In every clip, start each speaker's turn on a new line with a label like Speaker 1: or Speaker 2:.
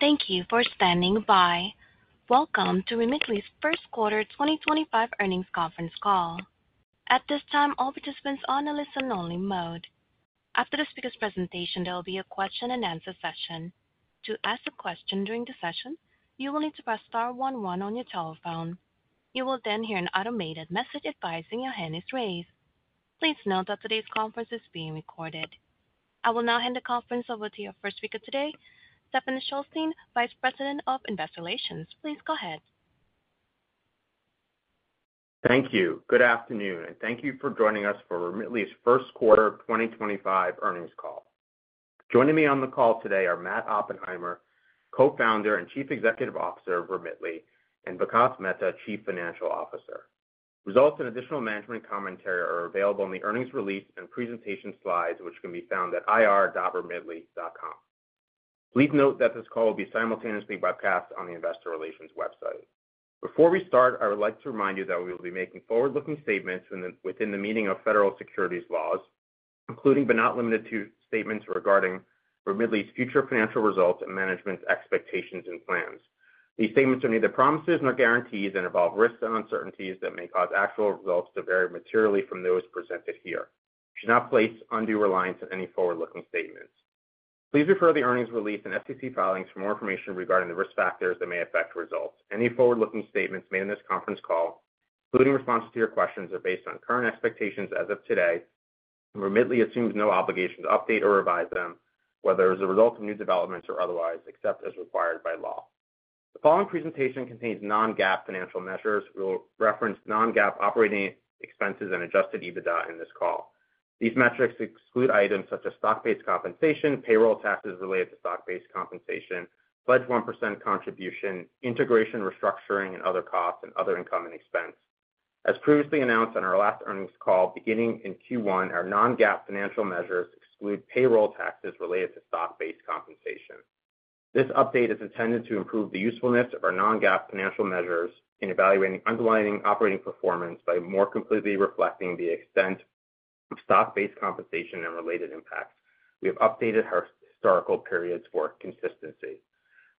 Speaker 1: Thank you for standing by. Welcome to Remitly's first quarter 2025 earnings conference call. At this time, all participants are on a listen-only mode. After the speaker's presentation, there will be a question-and-answer session. To ask a question during the session, you will need to press star one one on your telephone. You will then hear an automated message advising your hand is raised. Please note that today's conference is being recorded. I will now hand the conference over to your first speaker today, Stephen Shulstein, Vice President of Investor Relations. Please go ahead.
Speaker 2: Thank you. Good afternoon, and thank you for joining us for Remitly's first quarter 2025 earnings call. Joining me on the call today are Matt Oppenheimer, Co-founder and Chief Executive Officer of Remitly, and Vikas Mehta, Chief Financial Officer. Results and additional management commentary are available on the earnings release and presentation Slides, which can be found at irremitly.com. Please note that this call will be simultaneously broadcast on the Investor Relations website. Before we start, I would like to remind you that we will be making forward-looking statements within the meaning of federal securities laws, including but not limited to statements regarding Remitly's future financial results and management's expectations and plans. These statements are neither promises nor guarantees and involve risks and uncertainties that may cause actual results to vary materially from those presented here. You should not place undue reliance on any forward-looking statements. Please refer to the earnings release and FTC filings for more information regarding the risk factors that may affect results. Any forward-looking statements made in this conference call, including responses to your questions, are based on current expectations as of today, and Remitly assumes no obligation to update or revise them, whether as a result of new developments or otherwise, except as required by law. The following presentation contains non-GAAP financial measures. We will reference non-GAAP operating expenses and adjusted EBITDA in this call. These metrics exclude items such as stock-based compensation, payroll taxes related to stock-based compensation, pledge 1% contribution, integration restructuring, and other costs and other income and expense. As previously announced on our last earnings call, beginning in Q1, our non-GAAP financial measures exclude payroll taxes related to stock-based compensation. This update is intended to improve the usefulness of our non-GAAP financial measures in evaluating underlying operating performance by more completely reflecting the extent of stock-based compensation and related impacts. We have updated our historical periods for consistency.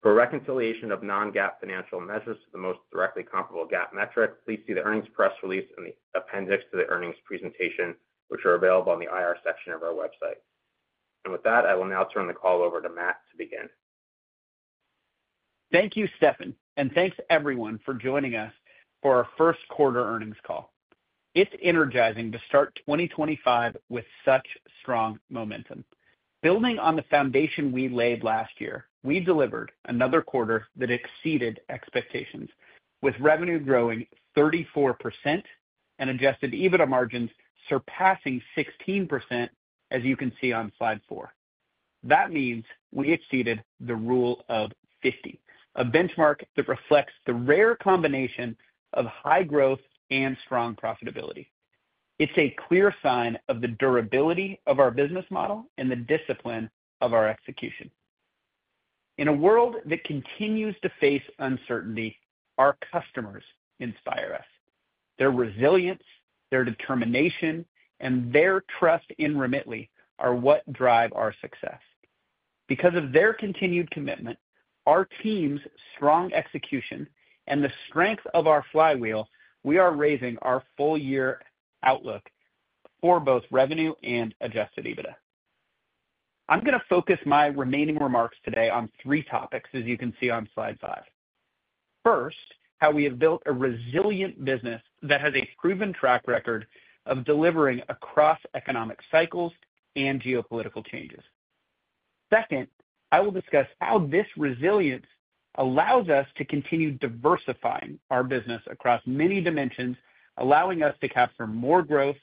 Speaker 2: For reconciliation of non-GAAP financial measures to the most directly comparable GAAP metric, please see the earnings press release and the appendix to the earnings presentation, which are available on the IR section of our website. I will now turn the call over to Matt to begin.
Speaker 3: Thank you, Stephen, and thanks everyone for joining us for our first quarter earnings call. It's energizing to start 2025 with such strong momentum. Building on the foundation we laid last year, we delivered another quarter that exceeded expectations, with revenue growing 34% and adjusted EBITDA margins surpassing 16%, as you can see on Slide four. That means we exceeded the rule of 50, a benchmark that reflects the rare combination of high growth and strong profitability. It's a clear sign of the durability of our business model and the discipline of our execution. In a world that continues to face uncertainty, our customers inspire us. Their resilience, their determination, and their trust in Remitly are what drive our success. Because of their continued commitment, our team's strong execution, and the strength of our flywheel, we are raising our full-year outlook for both revenue and adjusted EBITDA. I'm going to focus my remaining remarks today on three topics, as you can see on Slide five. First, how we have built a resilient business that has a proven track record of delivering across economic cycles and geopolitical changes. Second, I will discuss how this resilience allows us to continue diversifying our business across many dimensions, allowing us to capture more growth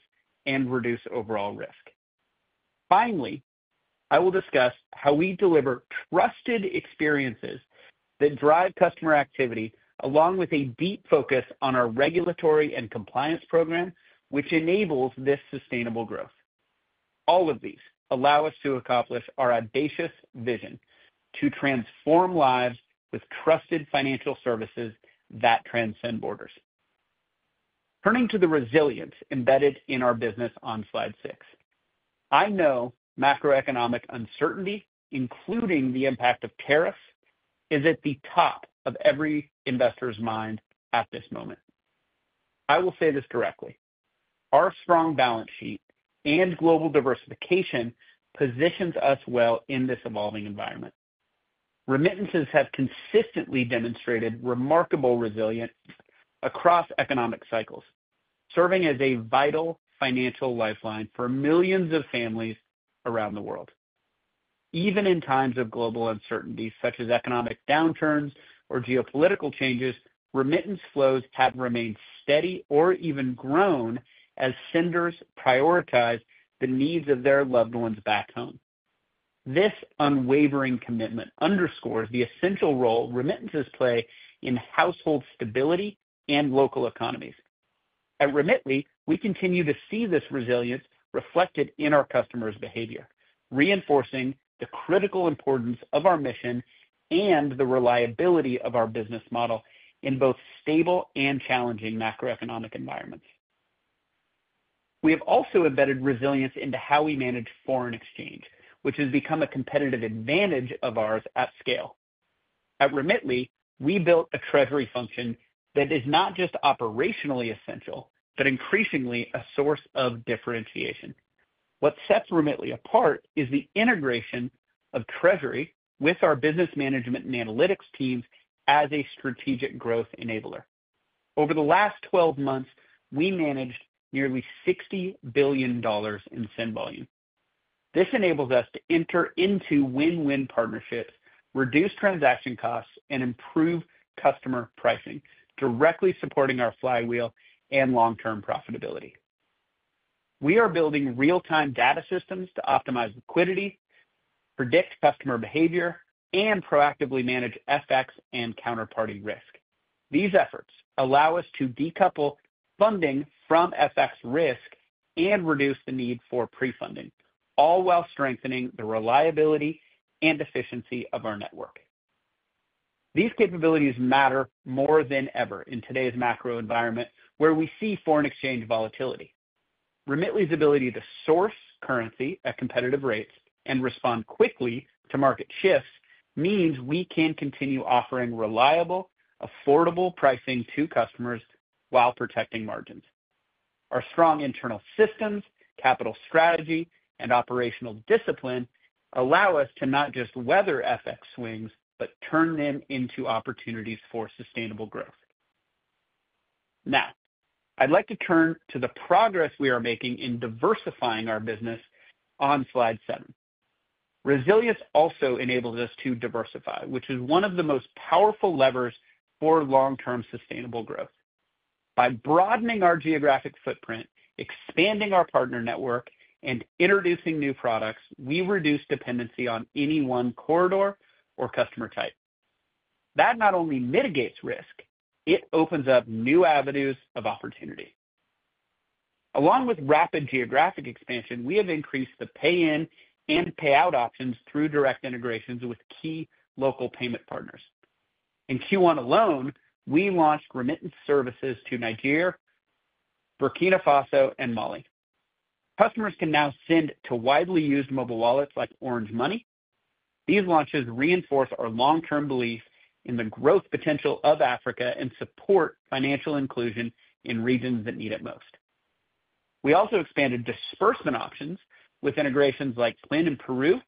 Speaker 3: and reduce overall risk. Finally, I will discuss how we deliver trusted experiences that drive customer activity, along with a deep focus on our regulatory and compliance program, which enables this sustainable growth. All of these allow us to accomplish our audacious vision to transform lives with trusted financial services that transcend borders. Turning to the resilience embedded in our business on Slide six, I know macroeconomic uncertainty, including the impact of tariffs, is at the top of every investor's mind at this moment. I will say this directly: our strong balance sheet and global diversification positions us well in this evolving environment. Remittances have consistently demonstrated remarkable resilience across economic cycles, serving as a vital financial lifeline for millions of families around the world. Even in times of global uncertainty, such as economic downturns or geopolitical changes, remittance flows have remained steady or even grown as senders prioritize the needs of their loved ones back home. This unwavering commitment underscores the essential role remittances play in household stability and local economies. At Remitly, we continue to see this resilience reflected in our customers' behavior, reinforcing the critical importance of our mission and the reliability of our business model in both stable and challenging macroeconomic environments. We have also embedded resilience into how we manage foreign exchange, which has become a competitive advantage of ours at scale. At Remitly, we built a treasury function that is not just operationally essential, but increasingly a source of differentiation. What sets Remitly apart is the integration of treasury with our business management and analytics teams as a strategic growth enabler. Over the last 12 months, we managed nearly $60 billion in send volume. This enables us to enter into win-win partnerships, reduce transaction costs, and improve customer pricing, directly supporting our flywheel and long-term profitability. We are building real-time data systems to optimize liquidity, predict customer behavior, and proactively manage FX and counterparty risk. These efforts allow us to decouple funding from FX risk and reduce the need for pre-funding, all while strengthening the reliability and efficiency of our network. These capabilities matter more than ever in today's macro environment, where we see foreign exchange volatility. Remitly's ability to source currency at competitive rates and respond quickly to market shifts means we can continue offering reliable, affordable pricing to customers while protecting margins. Our strong internal systems, capital strategy, and operational discipline allow us to not just weather FX swings, but turn them into opportunities for sustainable growth. Now, I'd like to turn to the progress we are making in diversifying our business on Slide seven. Resilience also enables us to diversify, which is one of the most powerful levers for long-term sustainable growth. By broadening our geographic footprint, expanding our partner network, and introducing new products, we reduce dependency on any one corridor or customer type. That not only mitigates risk, it opens up new avenues of opportunity. Along with rapid geographic expansion, we have increased the pay-in and pay-out options through direct integrations with key local payment partners. In Q1 alone, we launched remittance services to Nigeria, Burkina Faso, and Mali. Customers can now send to widely used mobile wallets like Orange Money. These launches reinforce our long-term belief in the growth potential of Africa and support financial inclusion in regions that need it most. We also expanded disbursement options with integrations like PLIN in Peru,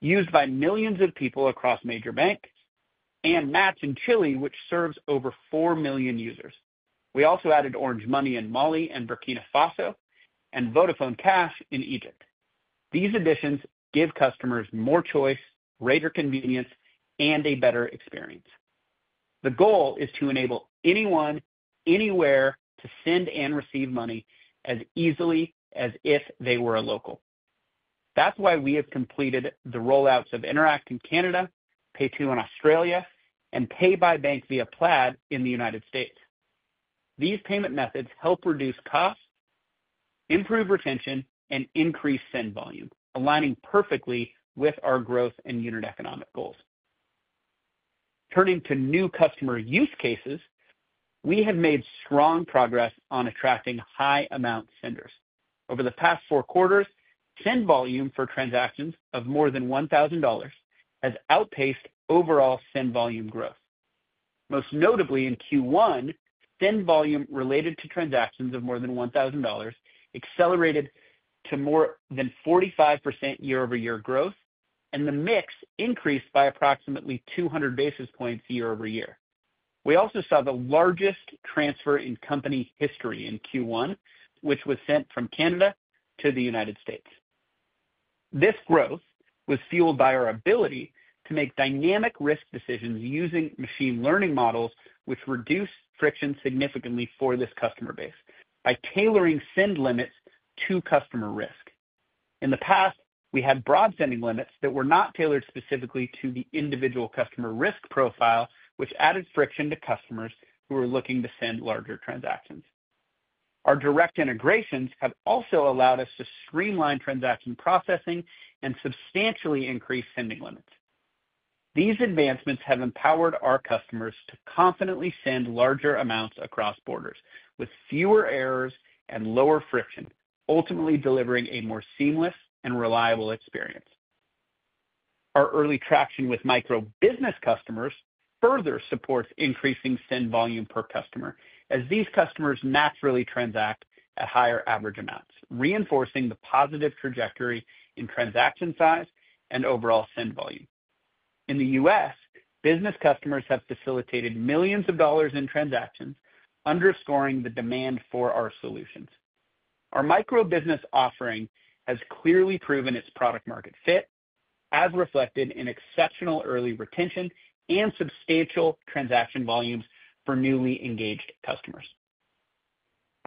Speaker 3: used by millions of people across major banks, and MACH in Chile, which serves over 4 million users. We also added Orange Money in Mali and Burkina Faso and Vodafone Cash in Egypt. These additions give customers more choice, greater convenience, and a better experience. The goal is to enable anyone, anywhere, to send and receive money as easily as if they were a local. That is why we have completed the rollouts of Interac in Canada, PayTo in Australia, and Pay by Bank via Plaid in the United States. These payment methods help reduce costs, improve retention, and increase send volume, aligning perfectly with our growth and unit economic goals. Turning to new customer use cases, we have made strong progress on attracting high-amount senders. Over the past four quarters, send volume for transactions of more than $1,000 has outpaced overall send volume growth. Most notably, in Q1, send volume related to transactions of more than $1,000 accelerated to more than 45% year-over-year growth, and the mix increased by approximately 200 basis points year-over-year. We also saw the largest transfer in company history in Q1, which was sent from Canada to the United States. This growth was fueled by our ability to make dynamic risk decisions using machine learning models, which reduced friction significantly for this customer base by tailoring send limits to customer risk. In the past, we had broad sending limits that were not tailored specifically to the individual customer risk profile, which added friction to customers who were looking to send larger transactions. Our direct integrations have also allowed us to streamline transaction processing and substantially increase sending limits. These advancements have empowered our customers to confidently send larger amounts across borders with fewer errors and lower friction, ultimately delivering a more seamless and reliable experience. Our early traction with micro-business customers further supports increasing send volume per customer, as these customers naturally transact at higher average amounts, reinforcing the positive trajectory in transaction size and overall send volume. In the U.S., business customers have facilitated millions of dollars in transactions, underscoring the demand for our solutions. Our micro-business offering has clearly proven its product-market fit, as reflected in exceptional early retention and substantial transaction volumes for newly engaged customers.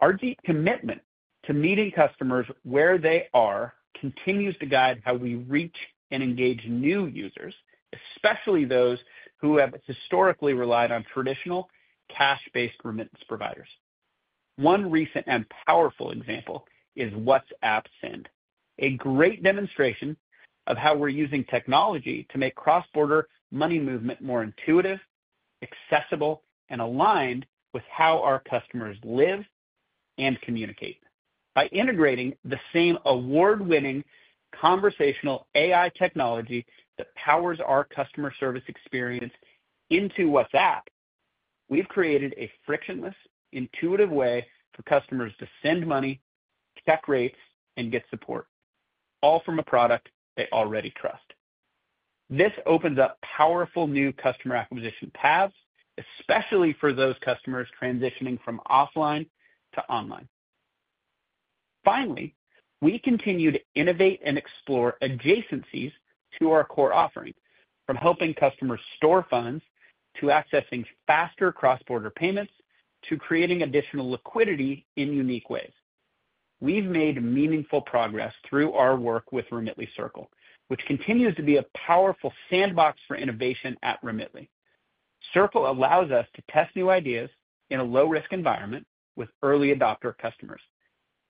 Speaker 3: Our deep commitment to meeting customers where they are continues to guide how we reach and engage new users, especially those who have historically relied on traditional cash-based remittance providers. One recent and powerful example is WhatsApp Send, a great demonstration of how we're using technology to make cross-border money movement more intuitive, accessible, and aligned with how our customers live and communicate. By integrating the same award-winning conversational AI technology that powers our customer service experience into WhatsApp, we've created a frictionless, intuitive way for customers to send money, check rates, and get support, all from a product they already trust. This opens up powerful new customer acquisition paths, especially for those customers transitioning from offline to online. Finally, we continue to innovate and explore adjacencies to our core offering, from helping customers store funds to accessing faster cross-border payments to creating additional liquidity in unique ways. We've made meaningful progress through our work with Remitly Circle, which continues to be a powerful sandbox for innovation at Remitly. Circle allows us to test new ideas in a low-risk environment with early adopter customers.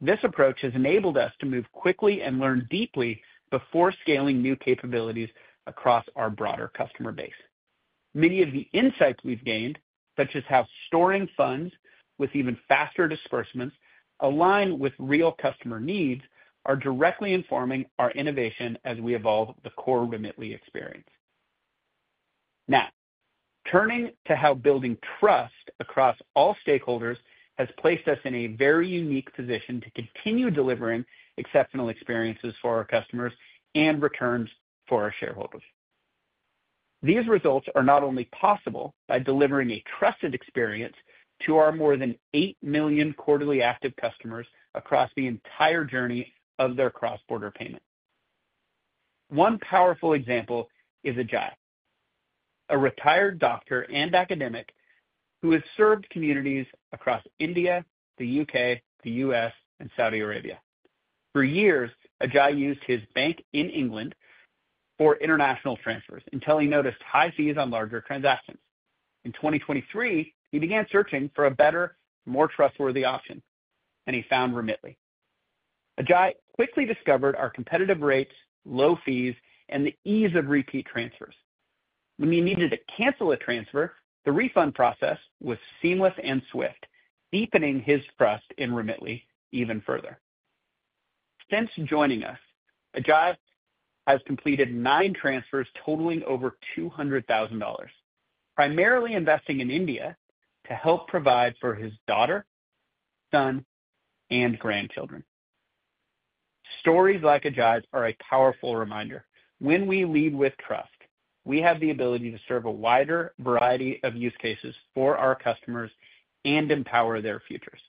Speaker 3: This approach has enabled us to move quickly and learn deeply before scaling new capabilities across our broader customer base. Many of the insights we've gained, such as how storing funds with even faster disbursements align with real customer needs, are directly informing our innovation as we evolve the core Remitly experience. Now, turning to how building trust across all stakeholders has placed us in a very unique position to continue delivering exceptional experiences for our customers and returns for our shareholders. These results are not only possible by delivering a trusted experience to our more than 8 million quarterly active customers across the entire journey of their cross-border payment. One powerful example is Ajay, a retired doctor and academic who has served communities across India, the U.K., the U.S., and Saudi Arabia. For years, Ajay used his bank in England for international transfers until he noticed high fees on larger transactions. In 2023, he began searching for a better, more trustworthy option, and he found Remitly. Ajay quickly discovered our competitive rates, low fees, and the ease of repeat transfers. When he needed to cancel a transfer, the refund process was seamless and swift, deepening his trust in Remitly even further. Since joining us, Ajay has completed nine transfers totaling over $200,000, primarily investing in India to help provide for his daughter, son, and grandchildren. Stories like Ajay's are a powerful reminder. When we lead with trust, we have the ability to serve a wider variety of use cases for our customers and empower their futures.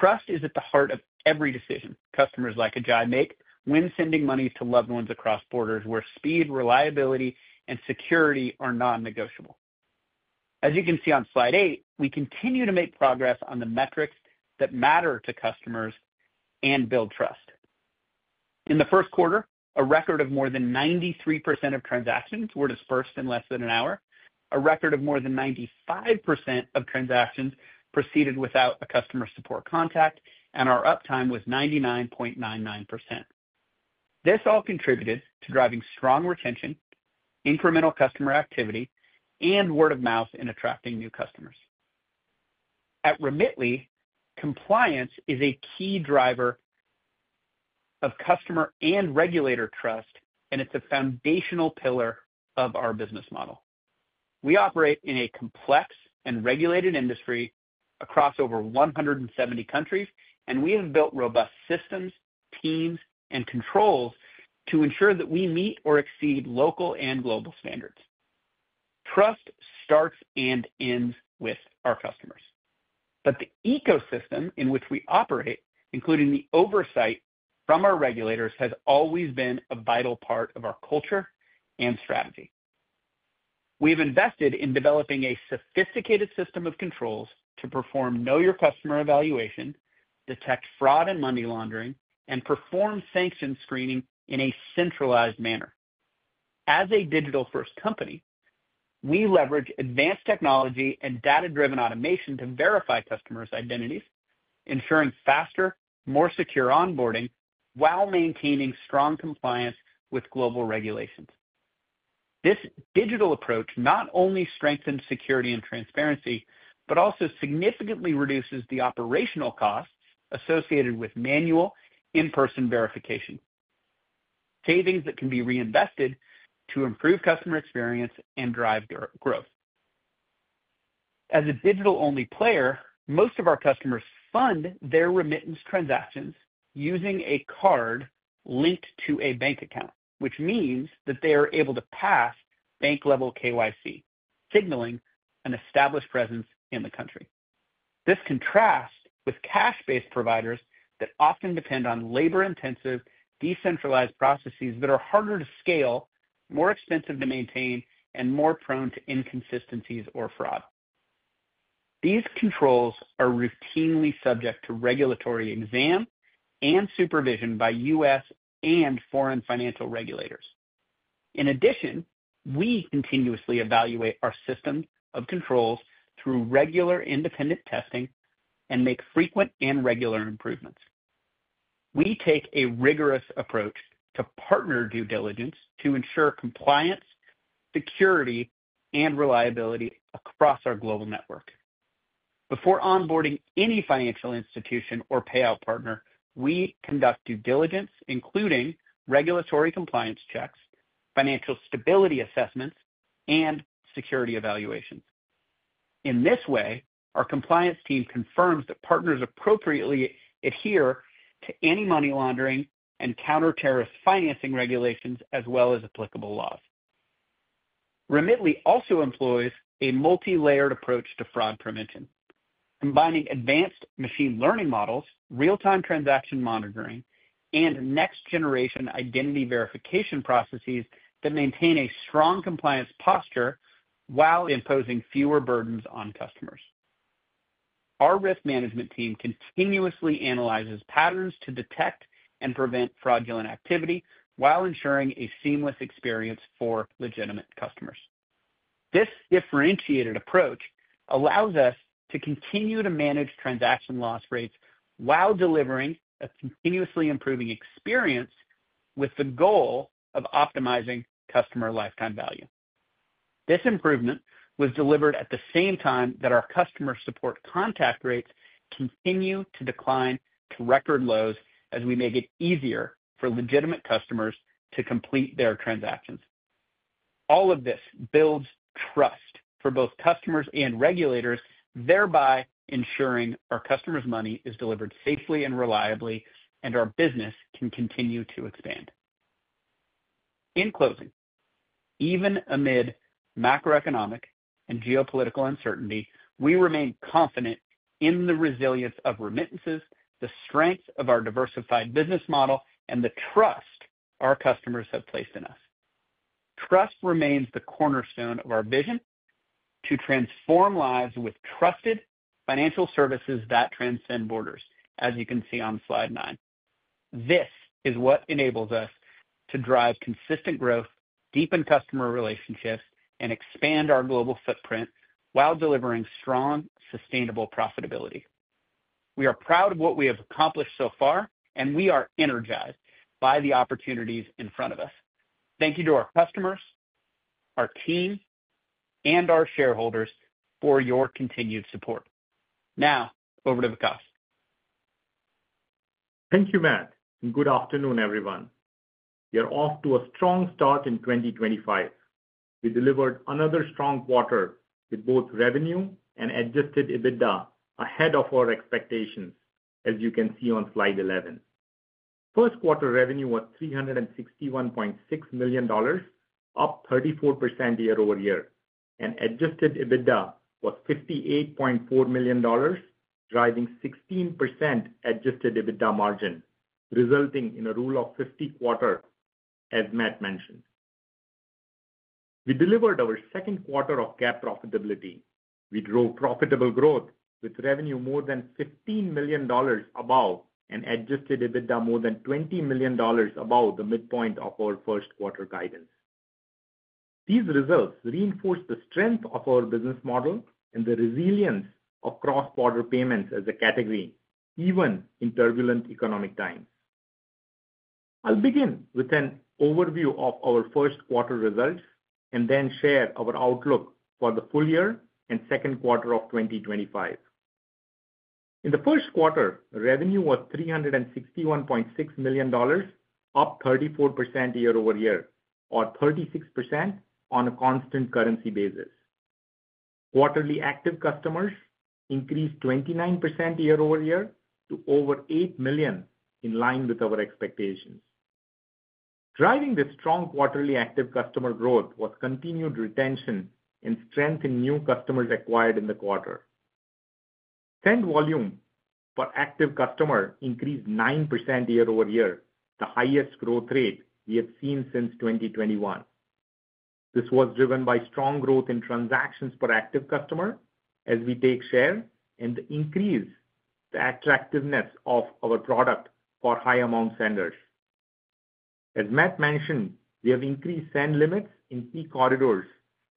Speaker 3: Trust is at the heart of every decision customers like Ajay make when sending money to loved ones across borders where speed, reliability, and security are non-negotiable. As you can see on Slide eight, we continue to make progress on the metrics that matter to customers and build trust. In the first quarter, a record of more than 93% of transactions were disbursed in less than an hour. A record of more than 95% of transactions proceeded without a customer support contact, and our uptime was 99.99%. This all contributed to driving strong retention, incremental customer activity, and word of mouth in attracting new customers. At Remitly, compliance is a key driver of customer and regulator trust, and it is a foundational pillar of our business model. We operate in a complex and regulated industry across over 170 countries, and we have built robust systems, teams, and controls to ensure that we meet or exceed local and global standards. Trust starts and ends with our customers. The ecosystem in which we operate, including the oversight from our regulators, has always been a vital part of our culture and strategy. We have invested in developing a sophisticated system of controls to perform know-your-customer evaluation, detect fraud and money laundering, and perform sanctions screening in a centralized manner. As a digital-first company, we leverage advanced technology and data-driven automation to verify customers' identities, ensuring faster, more secure onboarding while maintaining strong compliance with global regulations. This digital approach not only strengthens security and transparency, but also significantly reduces the operational costs associated with manual in-person verification—savings that can be reinvested to improve customer experience and drive growth. As a digital-only player, most of our customers fund their remittance transactions using a card linked to a bank account, which means that they are able to pass bank-level KYC, signaling an established presence in the country. This contrasts with cash-based providers that often depend on labor-intensive, decentralized processes that are harder to scale, more expensive to maintain, and more prone to inconsistencies or fraud. These controls are routinely subject to regulatory exam and supervision by U.S. and foreign financial regulators. In addition, we continuously evaluate our system of controls through regular independent testing and make frequent and regular improvements. We take a rigorous approach to partner due diligence to ensure compliance, security, and reliability across our global network. Before onboarding any financial institution or payout partner, we conduct due diligence, including regulatory compliance checks, financial stability assessments, and security evaluations. In this way, our compliance team confirms that partners appropriately adhere to any money laundering and counterterrorist financing regulations, as well as applicable laws. Remitly also employs a multi-layered approach to fraud prevention, combining advanced machine learning models, real-time transaction monitoring, and next-generation identity verification processes that maintain a strong compliance posture while imposing fewer burdens on customers. Our risk management team continuously analyzes patterns to detect and prevent fraudulent activity while ensuring a seamless experience for legitimate customers. This differentiated approach allows us to continue to manage transaction loss rates while delivering a continuously improving experience with the goal of optimizing customer lifetime value. This improvement was delivered at the same time that our customer support contact rates continue to decline to record lows as we make it easier for legitimate customers to complete their transactions. All of this builds trust for both customers and regulators, thereby ensuring our customers' money is delivered safely and reliably, and our business can continue to expand. In closing, even amid macroeconomic and geopolitical uncertainty, we remain confident in the resilience of remittances, the strength of our diversified business model, and the trust our customers have placed in us. Trust remains the cornerstone of our vision to transform lives with trusted financial services that transcend borders, as you can see on Slide nine. This is what enables us to drive consistent growth, deepen customer relationships, and expand our global footprint while delivering strong, sustainable profitability. We are proud of what we have accomplished so far, and we are energized by the opportunities in front of us. Thank you to our customers, our team, and our shareholders for your continued support. Now, over to Vikas.
Speaker 4: Thank you, Matt. Good afternoon, everyone. You're off to a strong start in 2025. We delivered another strong quarter with both revenue and adjusted EBITDA ahead of our expectations, as you can see on Slide 11. First quarter revenue was $361.6 million, up 34% year-over-year, and adjusted EBITDA was $58.4 million, driving 16% adjusted EBITDA margin, resulting in a rule of 50 quarter, as Matt mentioned. We delivered our second quarter of GAAP profitability. We drove profitable growth with revenue more than $15 million above and adjusted EBITDA more than $20 million above the midpoint of our first quarter guidance. These results reinforce the strength of our business model and the resilience of cross-border payments as a category, even in turbulent economic times. I'll begin with an overview of our first quarter results and then share our outlook for the full year and second quarter of 2025. In the first quarter, revenue was $361.6 million, up 34% year-over-year, or 36% on a constant currency basis. Quarterly active customers increased 29% year-over-year to over 8 million, in line with our expectations. Driving this strong quarterly active customer growth was continued retention and strength in new customers acquired in the quarter. Send volume per active customer increased 9% year-over-year, the highest growth rate we have seen since 2021. This was driven by strong growth in transactions per active customer as we take share and increase the attractiveness of our product for high-amount senders. As Matt mentioned, we have increased send limits in key corridors,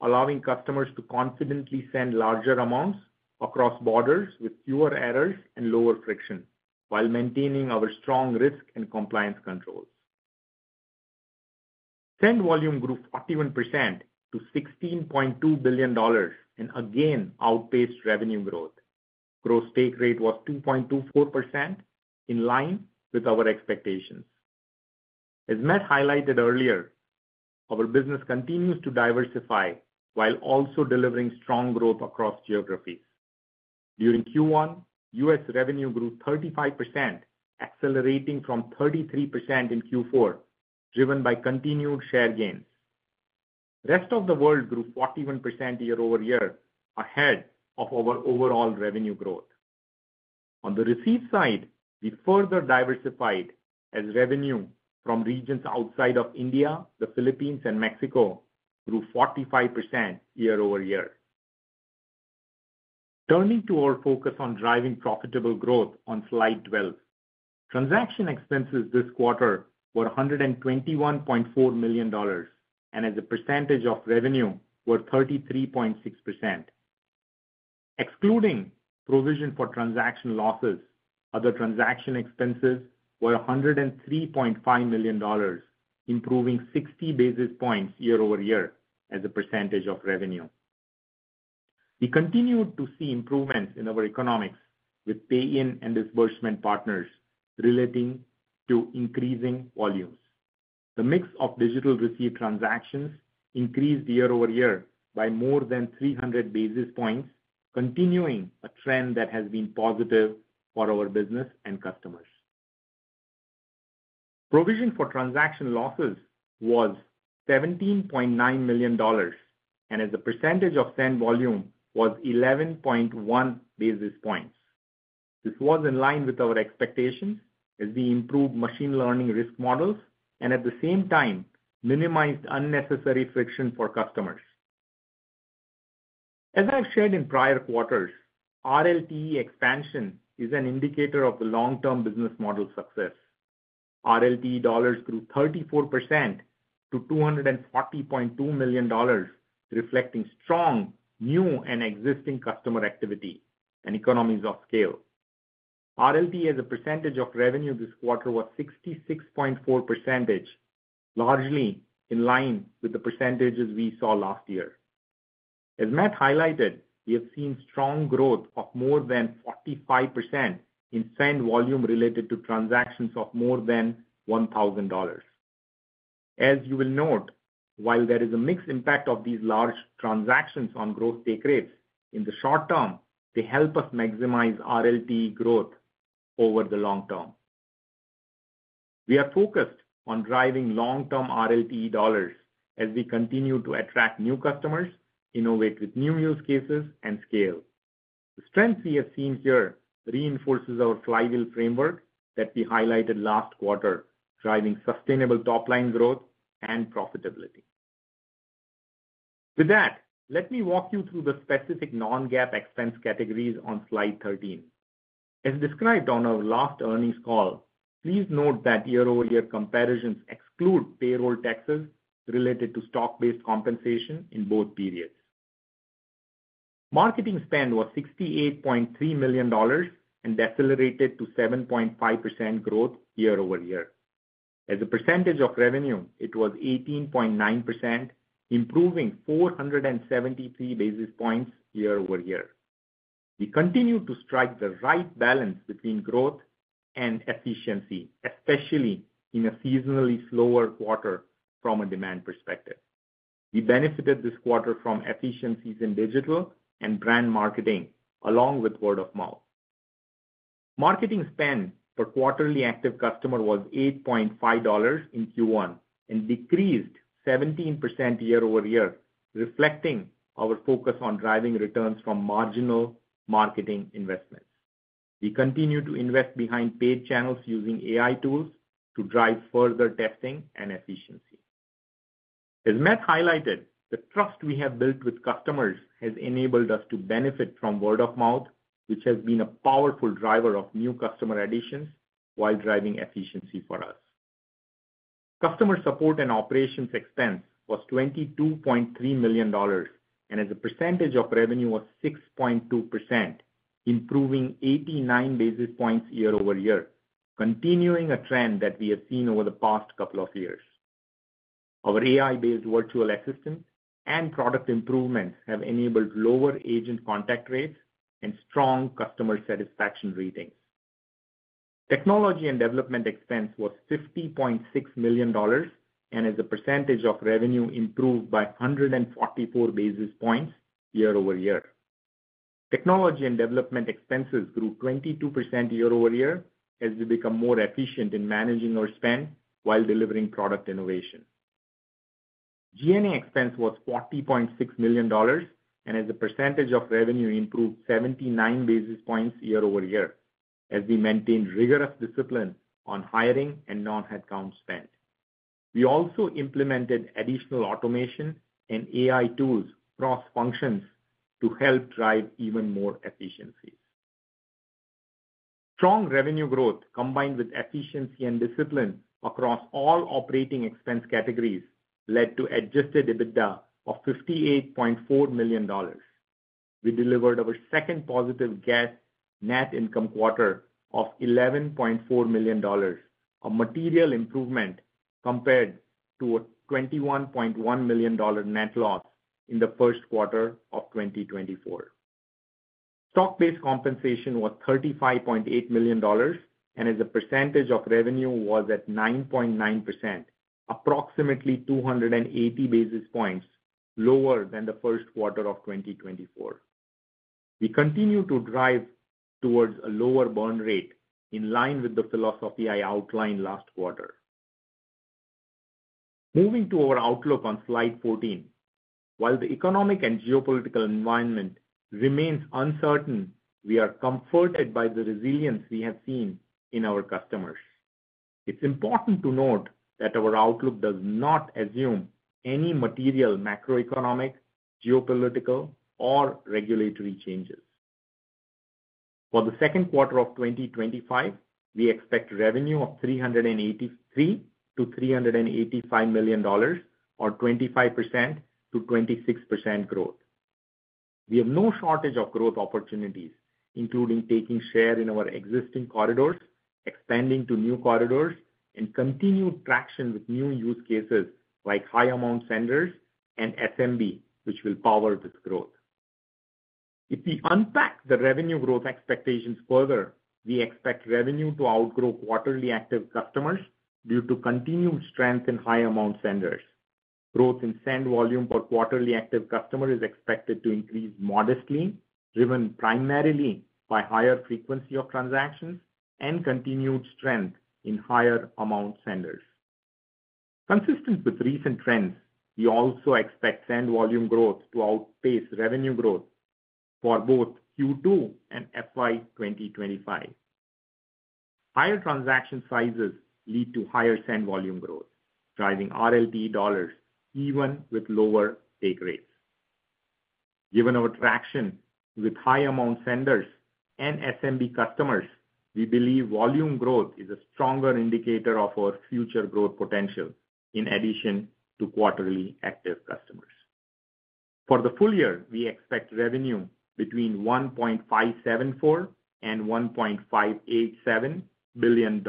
Speaker 4: allowing customers to confidently send larger amounts across borders with fewer errors and lower friction, while maintaining our strong risk and compliance controls. Send volume grew 41% to $16.2 billion and again outpaced revenue growth. Gross take rate was 2.24%, in line with our expectations. As Matt highlighted earlier, our business continues to diversify while also delivering strong growth across geographies. During Q1, US revenue grew 35%, accelerating from 33% in Q4, driven by continued share gains. Rest of the world grew 41% year-over-year, ahead of our overall revenue growth. On the receipt side, we further diversified as revenue from regions outside of India, the Philippines, and Mexico grew 45% year-over-year. Turning to our focus on driving profitable growth on Slide 12, transaction expenses this quarter were $121.4 million, and as a percentage of revenue, were 33.6%. Excluding provision for transaction losses, other transaction expenses were $103.5 million, improving 60 basis points year-over-year as a percentage of revenue. We continued to see improvements in our economics with pay-in and disbursement partners relating to increasing volumes. The mix of digital receipt transactions increased year-over-year by more than 300 basis points, continuing a trend that has been positive for our business and customers. Provision for transaction losses was $17.9 million, and as a percentage of send volume was 11.1 basis points. This was in line with our expectations as we improved machine learning risk models and at the same time minimized unnecessary friction for customers. As I've shared in prior quarters, RLT expansion is an indicator of the long-term business model success. RLT dollars grew 34% to $240.2 million, reflecting strong new and existing customer activity and economies of scale. RLT, as a percentage of revenue this quarter, was 66.4%, largely in line with the percentages we saw last year. As Matt highlighted, we have seen strong growth of more than 45% in send volume related to transactions of more than $1,000. As you will note, while there is a mixed impact of these large transactions on gross take rates, in the short term, they help us maximize RLT growth over the long term. We are focused on driving long-term RLT dollars as we continue to attract new customers, innovate with new use cases, and scale. The strength we have seen here reinforces our flywheel framework that we highlighted last quarter, driving sustainable top-line growth and profitability. With that, let me walk you through the specific non-GAAP expense categories on Slide 13. As described on our last earnings call, please note that year-over-year comparisons exclude payroll taxes related to stock-based compensation in both periods. Marketing spend was $68.3 million and decelerated to 7.5% growth year-over-year. As a percentage of revenue, it was 18.9%, improving 473 basis points year-over-year. We continue to strike the right balance between growth and efficiency, especially in a seasonally slower quarter from a demand perspective. We benefited this quarter from efficiencies in digital and brand marketing, along with word-of-mouth. Marketing spend per quarterly active customer was $8.5 in Q1 and decreased 17% year-over-year, reflecting our focus on driving returns from marginal marketing investments. We continue to invest behind paid channels using AI tools to drive further testing and efficiency. As Matt highlighted, the trust we have built with customers has enabled us to benefit from word-of-mouth, which has been a powerful driver of new customer additions while driving efficiency for us. Customer support and operations expense was $22.3 million, and as a percentage of revenue was 6.2%, improving 89 basis points year-over-year, continuing a trend that we have seen over the past couple of years. Our AI-based virtual assistant and product improvements have enabled lower agent contact rates and strong customer satisfaction ratings. Technology and development expense was $50.6 million, and as a percentage of revenue, improved by 144 basis points year-over-year. Technology and development expenses grew 22% year-over-year as we become more efficient in managing our spend while delivering product innovation. G&A expense was $40.6 million, and as a percentage of revenue, improved 79 basis points year-over-year as we maintained rigorous discipline on hiring and non-headcount spend. We also implemented additional automation and AI tools cross-functions to help drive even more efficiencies. Strong revenue growth combined with efficiency and discipline across all operating expense categories led to adjusted EBITDA of $58.4 million. We delivered our second positive GAAP Net Income quarter of $11.4 million, a material improvement compared to a $21.1 million net loss in the first quarter of 2024. Stock-based compensation was $35.8 million, and as a percentage of revenue, was at 9.9%, approximately 280 basis points lower than the first quarter of 2024. We continue to drive towards a lower burn rate, in line with the philosophy I outlined last quarter. Moving to our outlook on Slide 14, while the economic and geopolitical environment remains uncertain, we are comforted by the resilience we have seen in our customers. It's important to note that our outlook does not assume any material macroeconomic, geopolitical, or regulatory changes. For the second quarter of 2025, we expect revenue of $383 million-$385 million, or 25%-26% growth. We have no shortage of growth opportunities, including taking share in our existing corridors, expanding to new corridors, and continued traction with new use cases like high-amount senders and SMB, which will power this growth. If we unpack the revenue growth expectations further, we expect revenue to outgrow quarterly active customers due to continued strength in high-amount senders. Growth in send volume per quarterly active customer is expected to increase modestly, driven primarily by higher frequency of transactions and continued strength in higher-amount senders. Consistent with recent trends, we also expect send volume growth to outpace revenue growth for both Q2 and FY 2025. Higher transaction sizes lead to higher send volume growth, driving RLT dollars even with lower take rates. Given our traction with high-amount senders and SMB customers, we believe volume growth is a stronger indicator of our future growth potential in addition to quarterly active customers. For the full year, we expect revenue between $1.574 billion and $1.587 billion,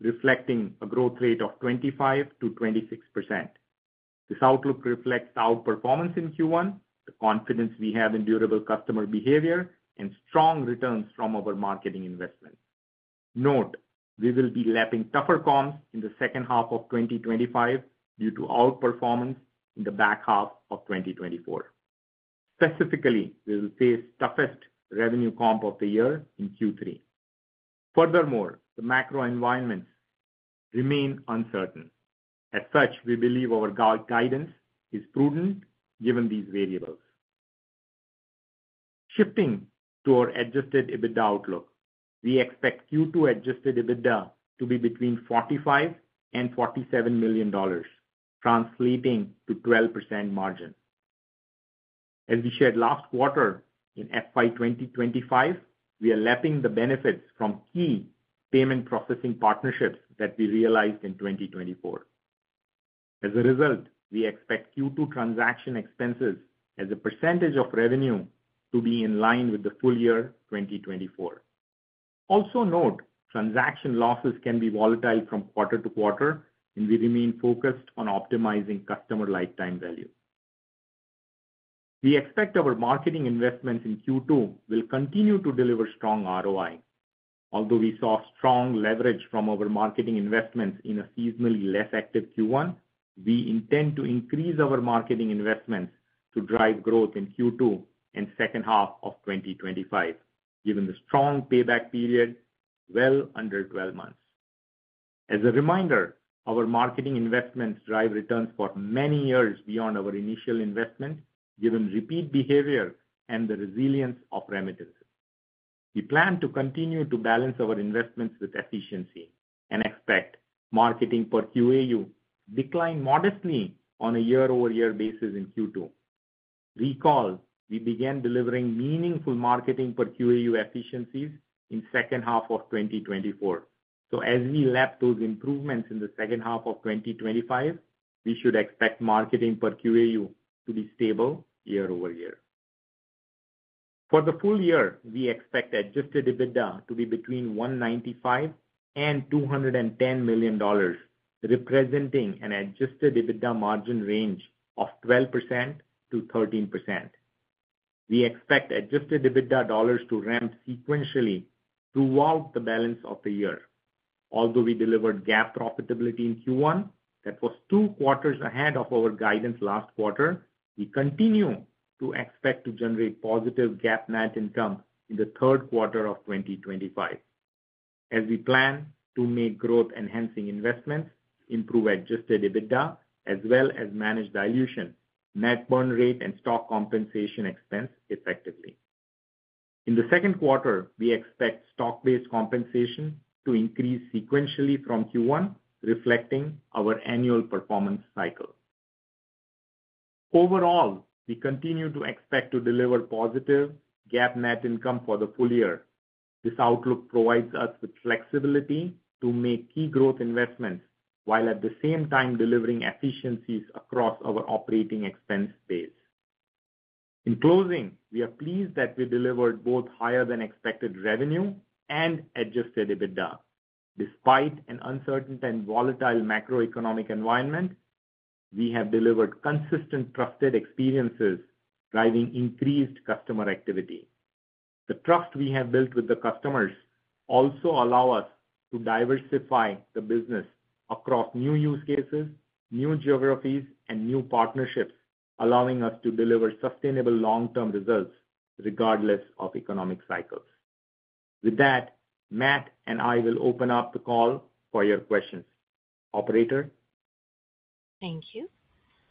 Speaker 4: reflecting a growth rate of 25%-26%. This outlook reflects our performance in Q1, the confidence we have in durable customer behavior, and strong returns from our marketing investment. Note we will be lapping tougher comps in the second half of 2025 due to outperformance in the back half of 2024. Specifically, we will face toughest revenue comp of the year in Q3. Furthermore, the macro environments remain uncertain. As such, we believe our guidance is prudent given these variables. Shifting to our adjusted EBITDA outlook, we expect Q2 adjusted EBITDA to be between $45 million and $47 million, translating to 12% margin. As we shared last quarter, in FY 2025, we are lapping the benefits from key payment processing partnerships that we realized in 2024. As a result, we expect Q2 transaction expenses as a percentage of revenue to be in line with the full year 2024. Also note, transaction losses can be volatile from quarter to quarter, and we remain focused on optimizing customer lifetime value. We expect our marketing investments in Q2 will continue to deliver strong ROI. Although we saw strong leverage from our marketing investments in a seasonally less active Q1, we intend to increase our marketing investments to drive growth in Q2 and second half of 2025, given the strong payback period well under 12 months. As a reminder, our marketing investments drive returns for many years beyond our initial investment, given repeat behavior and the resilience of remittances. We plan to continue to balance our investments with efficiency and expect marketing per QAU to decline modestly on a year-over-year basis in Q2. Recall we began delivering meaningful marketing per QAU efficiencies in the second half of 2024. As we lap those improvements in the second half of 2025, we should expect marketing per QAU to be stable year-over-year. For the full year, we expect adjusted EBITDA to be between $195 million and $210 million, representing an adjusted EBITDA margin range of 12%-13%. We expect adjusted EBITDA dollars to ramp sequentially throughout the balance of the year. Although we delivered GAAP profitability in Q1 that was two quarters ahead of our guidance last quarter, we continue to expect to generate positive GAAP net income in the third quarter of 2025 as we plan to make growth-enhancing investments, improve adjusted EBITDA, as well as manage dilution, net burn rate, and stock compensation expense effectively. In the second quarter, we expect stock-based compensation to increase sequentially from Q1, reflecting our annual performance cycle. Overall, we continue to expect to deliver positive GAAP Net Income for the full year. This outlook provides us with flexibility to make key growth investments while at the same time delivering efficiencies across our operating expense base. In closing, we are pleased that we delivered both higher-than-expected revenue and Adjusted EBITDA. Despite an uncertain and volatile macroeconomic environment, we have delivered consistent trusted experiences, driving increased customer activity. The trust we have built with the customers also allows us to diversify the business across new use cases, new geographies, and new partnerships, allowing us to deliver sustainable long-term results regardless of economic cycles. With that, Matt and I will open up the call for your questions. Operator. Thank you.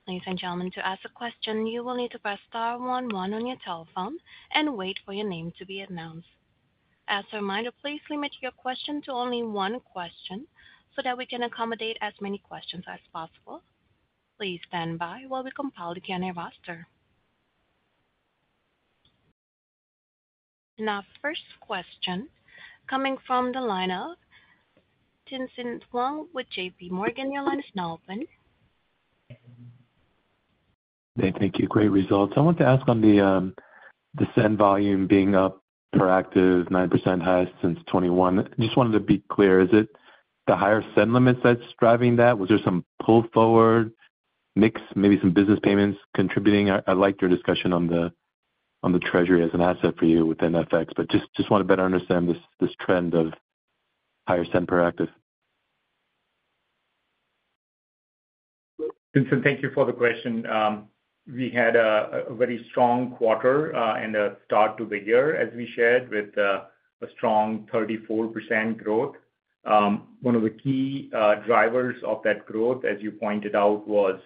Speaker 1: Ladies and gentlemen, to ask a question, you will need to press star 11 on your telephone and wait for your name to be announced. As a reminder, please limit your question to only one question so that we can accommodate as many questions as possible. Please stand by while we compile the Q&A roster. Now, first question coming from the line of Tien-Tsin Huang with JP Morgan. Your line is now open.
Speaker 5: Thank you. Great results. I want to ask on the send volume being up per active 9%, highest since 2021. Just wanted to be clear, is it the higher send limits that's driving that? Was there some pull forward mix, maybe some business payments contributing? I liked your discussion on the treasury as an asset for you within FX, but just want to better understand this trend of higher send per active.
Speaker 4: Tien-Tsin, thank you for the question. We had a very strong quarter and a start to the year, as we shared, with a strong 34% growth. One of the key drivers of that growth, as you pointed out, was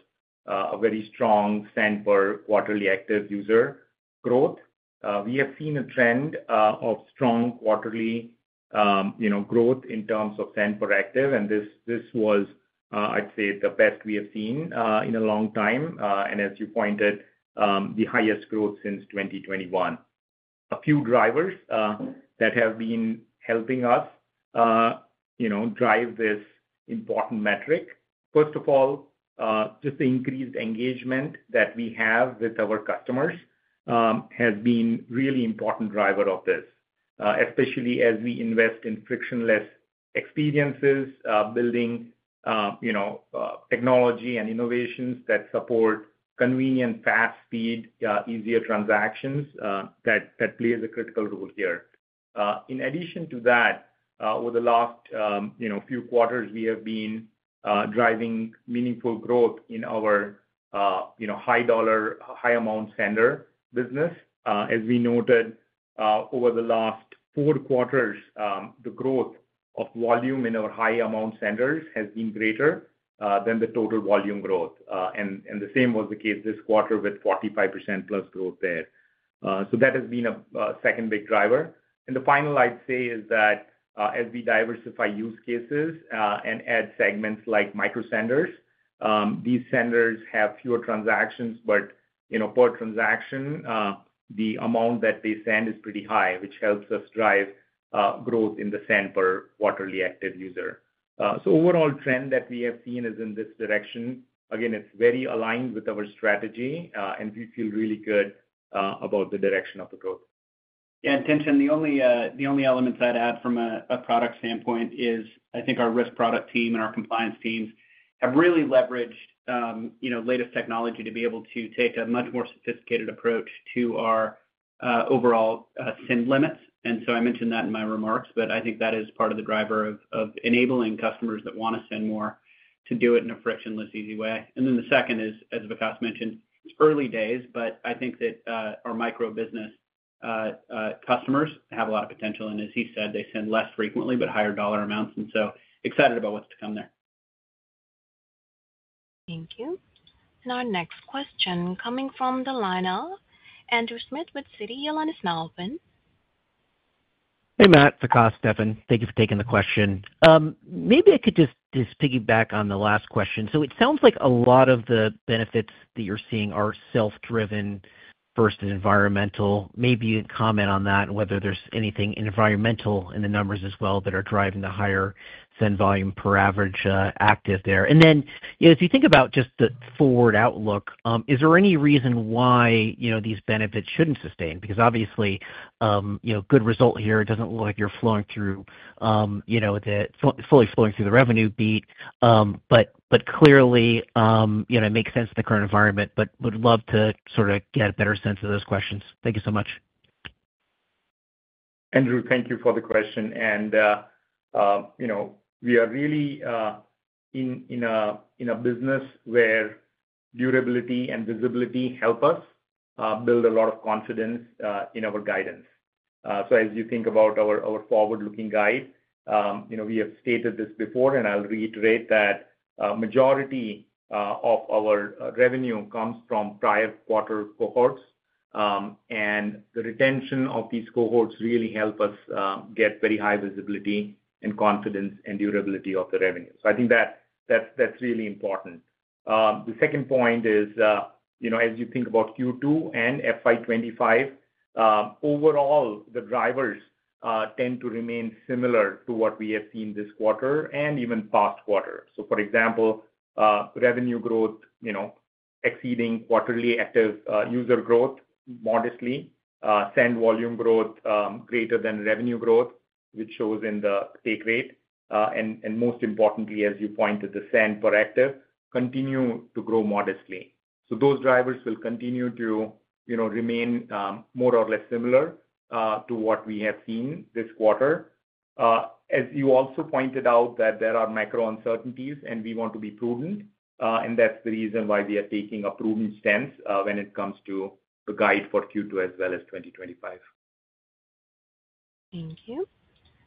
Speaker 4: a very strong send per quarterly active user growth. We have seen a trend of strong quarterly growth in terms of send per active, and this was, I'd say, the best we have seen in a long time. As you pointed, the highest growth since 2021. A few drivers that have been helping us drive this important metric. First of all, just the increased engagement that we have with our customers has been a really important driver of this, especially as we invest in frictionless experiences, building technology and innovations that support convenient, fast-speed, easier transactions that play a critical role here. In addition to that, over the last few quarters, we have been driving meaningful growth in our high-dollar, high-amount sender business. As we noted over the last four quarters, the growth of volume in our high-amount senders has been greater than the total volume growth. The same was the case this quarter with 45%+ growth there. That has been a second big driver. The final, I'd say, is that as we diversify use cases and add segments like microsenders, these senders have fewer transactions, but per transaction, the amount that they send is pretty high, which helps us drive growth in the send per quarterly active user. Overall trend that we have seen is in this direction. Again, it's very aligned with our strategy, and we feel really good about the direction of the growth.
Speaker 3: Yeah. Tien-Tsin, the only elements I'd add from a product standpoint is I think our risk product team and our compliance teams have really leveraged latest technology to be able to take a much more sophisticated approach to our overall send limits. I mentioned that in my remarks, but I think that is part of the driver of enabling customers that want to send more to do it in a frictionless, easy way. The second is, as Vikas mentioned, it's early days, but I think that our micro-business customers have a lot of potential. As he said, they send less frequently but higher dollar amounts. Excited about what's to come there.
Speaker 1: Thank you. Our next question coming from the line of Andrew Smith with Citi. Your line is now open.
Speaker 6: Hey, Matt. Vikas, Stephen. Thank you for taking the question. Maybe I could just piggyback on the last question. It sounds like a lot of the benefits that you're seeing are self-driven versus environmental. Maybe you can comment on that and whether there's anything environmental in the numbers as well that are driving the higher send volume per average active there. As you think about just the forward outlook, is there any reason why these benefits shouldn't sustain? Obviously, good result here. It doesn't look like you're fully flowing through the revenue beat. Clearly, it makes sense in the current environment, but would love to sort of get a better sense of those questions. Thank you so much.
Speaker 4: Andrew, thank you for the question. We are really in a business where durability and visibility help us build a lot of confidence in our guidance. As you think about our forward-looking guide, we have stated this before, and I'll reiterate that the majority of our revenue comes from prior quarter cohorts. The retention of these cohorts really helps us get very high visibility and confidence and durability of the revenue. I think that's really important. The second point is, as you think about Q2 and FY 2025, overall, the drivers tend to remain similar to what we have seen this quarter and even past quarter. For example, revenue growth exceeding quarterly active user growth modestly, send volume growth greater than revenue growth, which shows in the take rate. Most importantly, as you point to the send per active, it continues to grow modestly. Those drivers will continue to remain more or less similar to what we have seen this quarter. As you also pointed out, that there are micro uncertainties, and we want to be prudent. That is the reason why we are taking a prudent stance when it comes to the guide for Q2 as well as 2025.
Speaker 1: Thank you.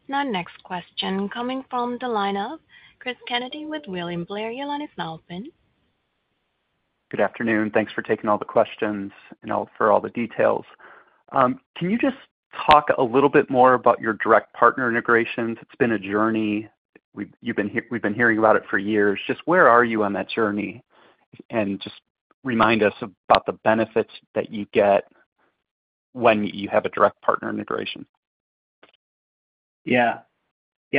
Speaker 1: Now, next question coming from the line of Chris Kennedy with William Blair. Your line is now open.
Speaker 7: Good afternoon. Thanks for taking all the questions and for all the details. Can you just talk a little bit more about your direct partner integrations? It's been a journey. We've been hearing about it for years. Just where are you on that journey? Just remind us about the benefits that you get when you have a direct partner integration.
Speaker 3: Yeah.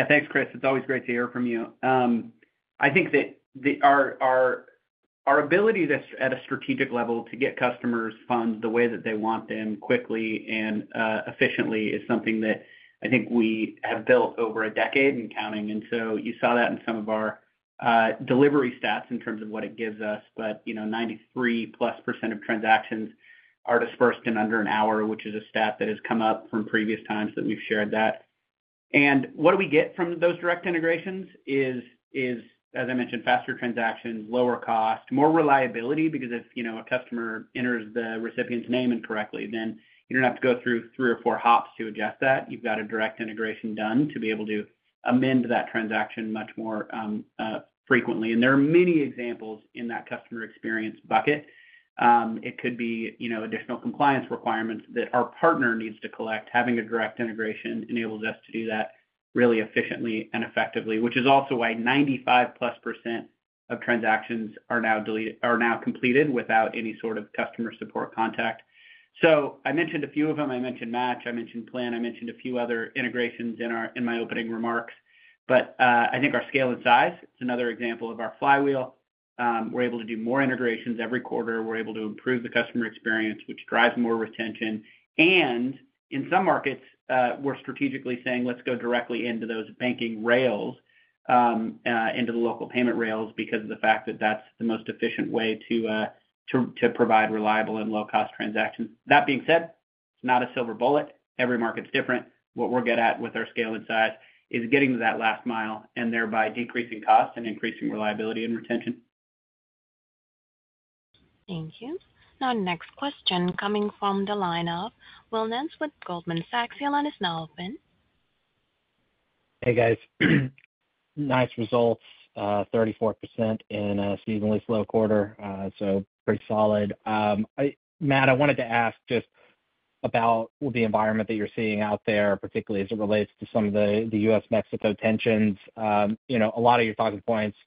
Speaker 3: Thanks, Chris. It's always great to hear from you. I think that our ability at a strategic level to get customers fund the way that they want them quickly and efficiently is something that I think we have built over a decade and counting. You saw that in some of our delivery stats in terms of what it gives us. 93+% of transactions are dispersed in under an hour, which is a stat that has come up from previous times that we have shared that. What we get from those direct integrations is, as I mentioned, faster transactions, lower cost, more reliability because if a customer enters the recipient's name incorrectly, then you do not have to go through three or four hops to adjust that. You have got a direct integration done to be able to amend that transaction much more frequently. There are many examples in that customer experience bucket. It could be additional compliance requirements that our partner needs to collect. Having a direct integration enables us to do that really efficiently and effectively, which is also why 95+% of transactions are now completed without any sort of customer support contact. I mentioned a few of them. I mentioned MACH. I mentioned Plaid. I mentioned a few other integrations in my opening remarks. I think our scale and size, it's another example of our flywheel. We're able to do more integrations every quarter. We're able to improve the customer experience, which drives more retention. In some markets, we're strategically saying, "Let's go directly into those banking rails, into the local payment rails," because of the fact that that's the most efficient way to provide reliable and low-cost transactions. That being said, it's not a silver bullet. Every market's different. What we're good at with our scale and size is getting to that last mile and thereby decreasing cost and increasing reliability and retention.
Speaker 1: Thank you. Now, next question coming from the line of Will Nance with Goldman Sachs. Your line is now open.
Speaker 8: Hey, guys. Nice results. 34% in a seasonally slow quarter. So pretty solid. Matt, I wanted to ask just about the environment that you're seeing out there, particularly as it relates to some of the U.S.-Mexico tensions. A lot of your talking points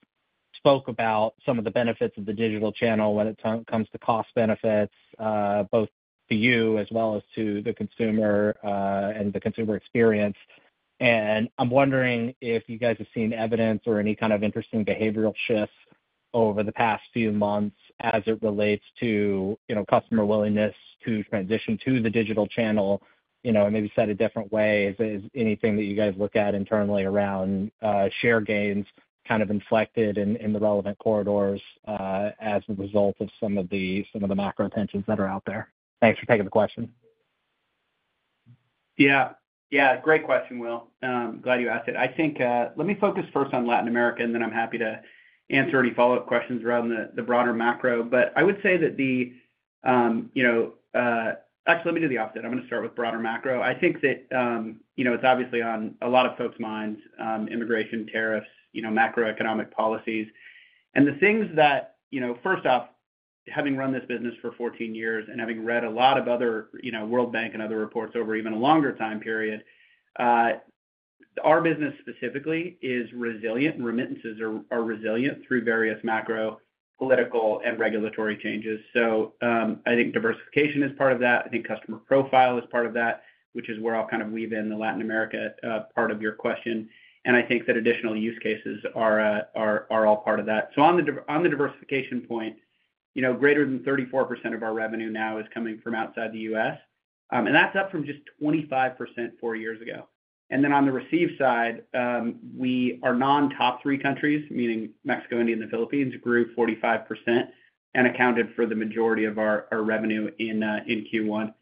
Speaker 8: spoke about some of the benefits of the digital channel when it comes to cost benefits, both to you as well as to the consumer and the consumer experience. I'm wondering if you guys have seen evidence or any kind of interesting behavioral shifts over the past few months as it relates to customer willingness to transition to the digital channel and maybe set a different way. Is there anything that you guys look at internally around share gains kind of inflected in the relevant corridors as a result of some of the macro tensions that are out there? Thanks for taking the question.
Speaker 3: Yeah. Yeah. Great question, Will. I'm glad you asked it. I think let me focus first on Latin America, and then I'm happy to answer any follow-up questions around the broader macro. I would say that the actually, let me do the opposite. I'm going to start with broader macro. I think that it's obviously on a lot of folks' minds: immigration, tariffs, macroeconomic policies. The things that, first off, having run this business for 14 years and having read a lot of other World Bank and other reports over even a longer time period, our business specifically is resilient. Remittances are resilient through various macro political and regulatory changes. I think diversification is part of that. I think customer profile is part of that, which is where I'll kind of weave in the Latin America part of your question. I think that additional use cases are all part of that. On the diversification point, greater than 34% of our revenue now is coming from outside the U.S., and that's up from just 25% four years ago. On the receive side, our non-top three countries, meaning Mexico, India, and the Philippines, grew 45% and accounted for the majority of our revenue in Q1.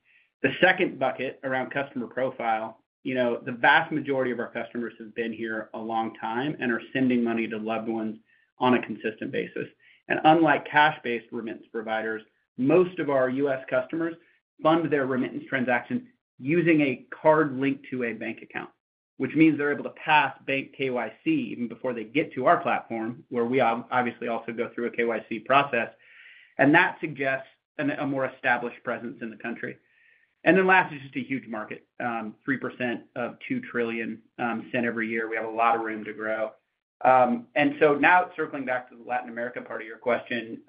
Speaker 3: The second bucket around customer profile, the vast majority of our customers have been here a long time and are sending money to loved ones on a consistent basis. Unlike cash-based remittance providers, most of our US customers fund their remittance transactions using a card linked to a bank account, which means they're able to pass bank KYC even before they get to our platform, where we obviously also go through a KYC process. That suggests a more established presence in the country. Last is just a huge market: 3% of $2 trillion sent every year. We have a lot of room to grow. Now, circling back to the Latin America part of your question,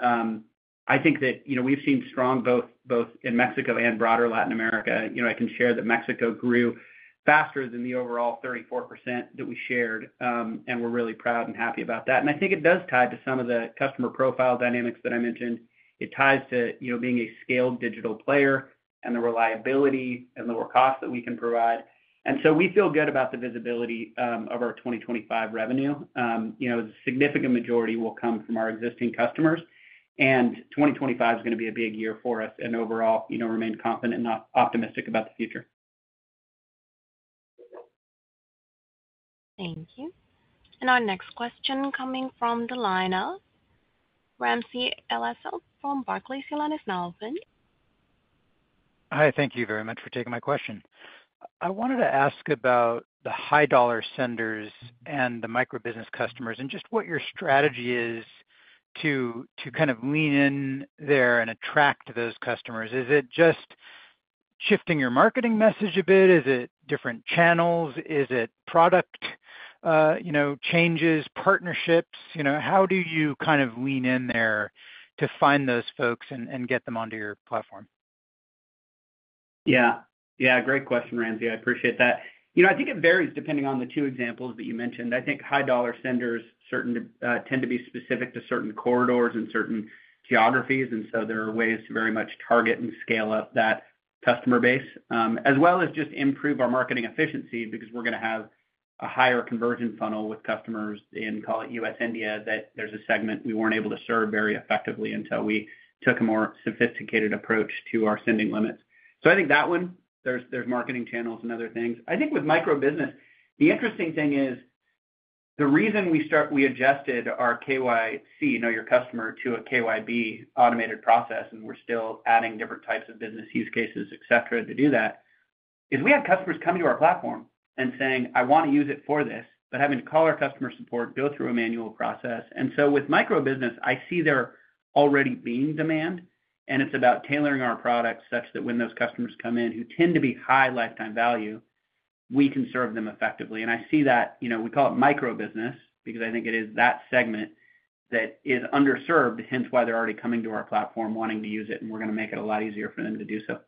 Speaker 3: I think that we've seen strong growth both in Mexico and broader Latin America. I can share that Mexico grew faster than the overall 34% that we shared, and we're really proud and happy about that. I think it does tie to some of the customer profile dynamics that I mentioned. It ties to being a scaled digital player and the reliability and lower cost that we can provide. We feel good about the visibility of our 2025 revenue. A significant majority will come from our existing customers. 2025 is going to be a big year for us and overall remain confident and optimistic about the future.
Speaker 1: Thank you. Our next question coming from the line of Ramsey El-Assal from Barclays. Your line is now open.
Speaker 9: Hi. Thank you very much for taking my question. I wanted to ask about the high-dollar senders and the micro-business customers and just what your strategy is to kind of lean in there and attract those customers. Is it just shifting your marketing message a bit? Is it different channels? Is it product changes, partnerships? How do you kind of lean in there to find those folks and get them onto your platform?
Speaker 3: Yeah. Yeah. Great question, Ramsey. I appreciate that. I think it varies depending on the two examples that you mentioned. I think high-dollar senders tend to be specific to certain corridors and certain geographies. There are ways to very much target and scale up that customer base as well as just improve our marketing efficiency because we're going to have a higher conversion funnel with customers in, call it, U.S.-India, that there's a segment we weren't able to serve very effectively until we took a more sophisticated approach to our sending limits. I think that one, there's marketing channels and other things. I think with micro-business, the interesting thing is the reason we adjusted our KYC, your customer, to a KYB automated process, and we're still adding different types of business use cases, etc., to do that is we had customers coming to our platform and saying, "I want to use it for this," but having to call our customer support, go through a manual process. With micro-business, I see there already being demand, and it is about tailoring our product such that when those customers come in who tend to be high lifetime value, we can serve them effectively. I see that we call it micro-business because I think it is that segment that is underserved, hence why they are already coming to our platform wanting to use it, and we are going to make it a lot easier for them to do so.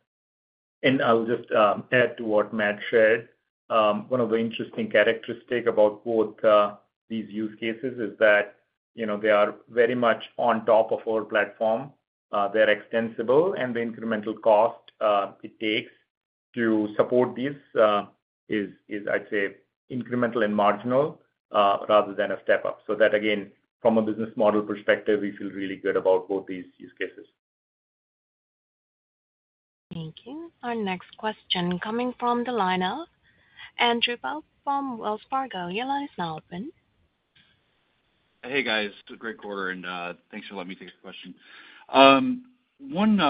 Speaker 4: I will just add to what Matt shared. One of the interesting characteristics about both these use cases is that they are very much on top of our platform. They are extensible, and the incremental cost it takes to support these is, I would say, incremental and marginal rather than a step up. That, again, from a business model perspective, we feel really good about both these use cases.
Speaker 1: Thank you. Our next question coming from the line of Andrew Bell from Wells Fargo. Your line is now open.
Speaker 10: Hey, guys. It's a great quarter, and thanks for letting me take the question. One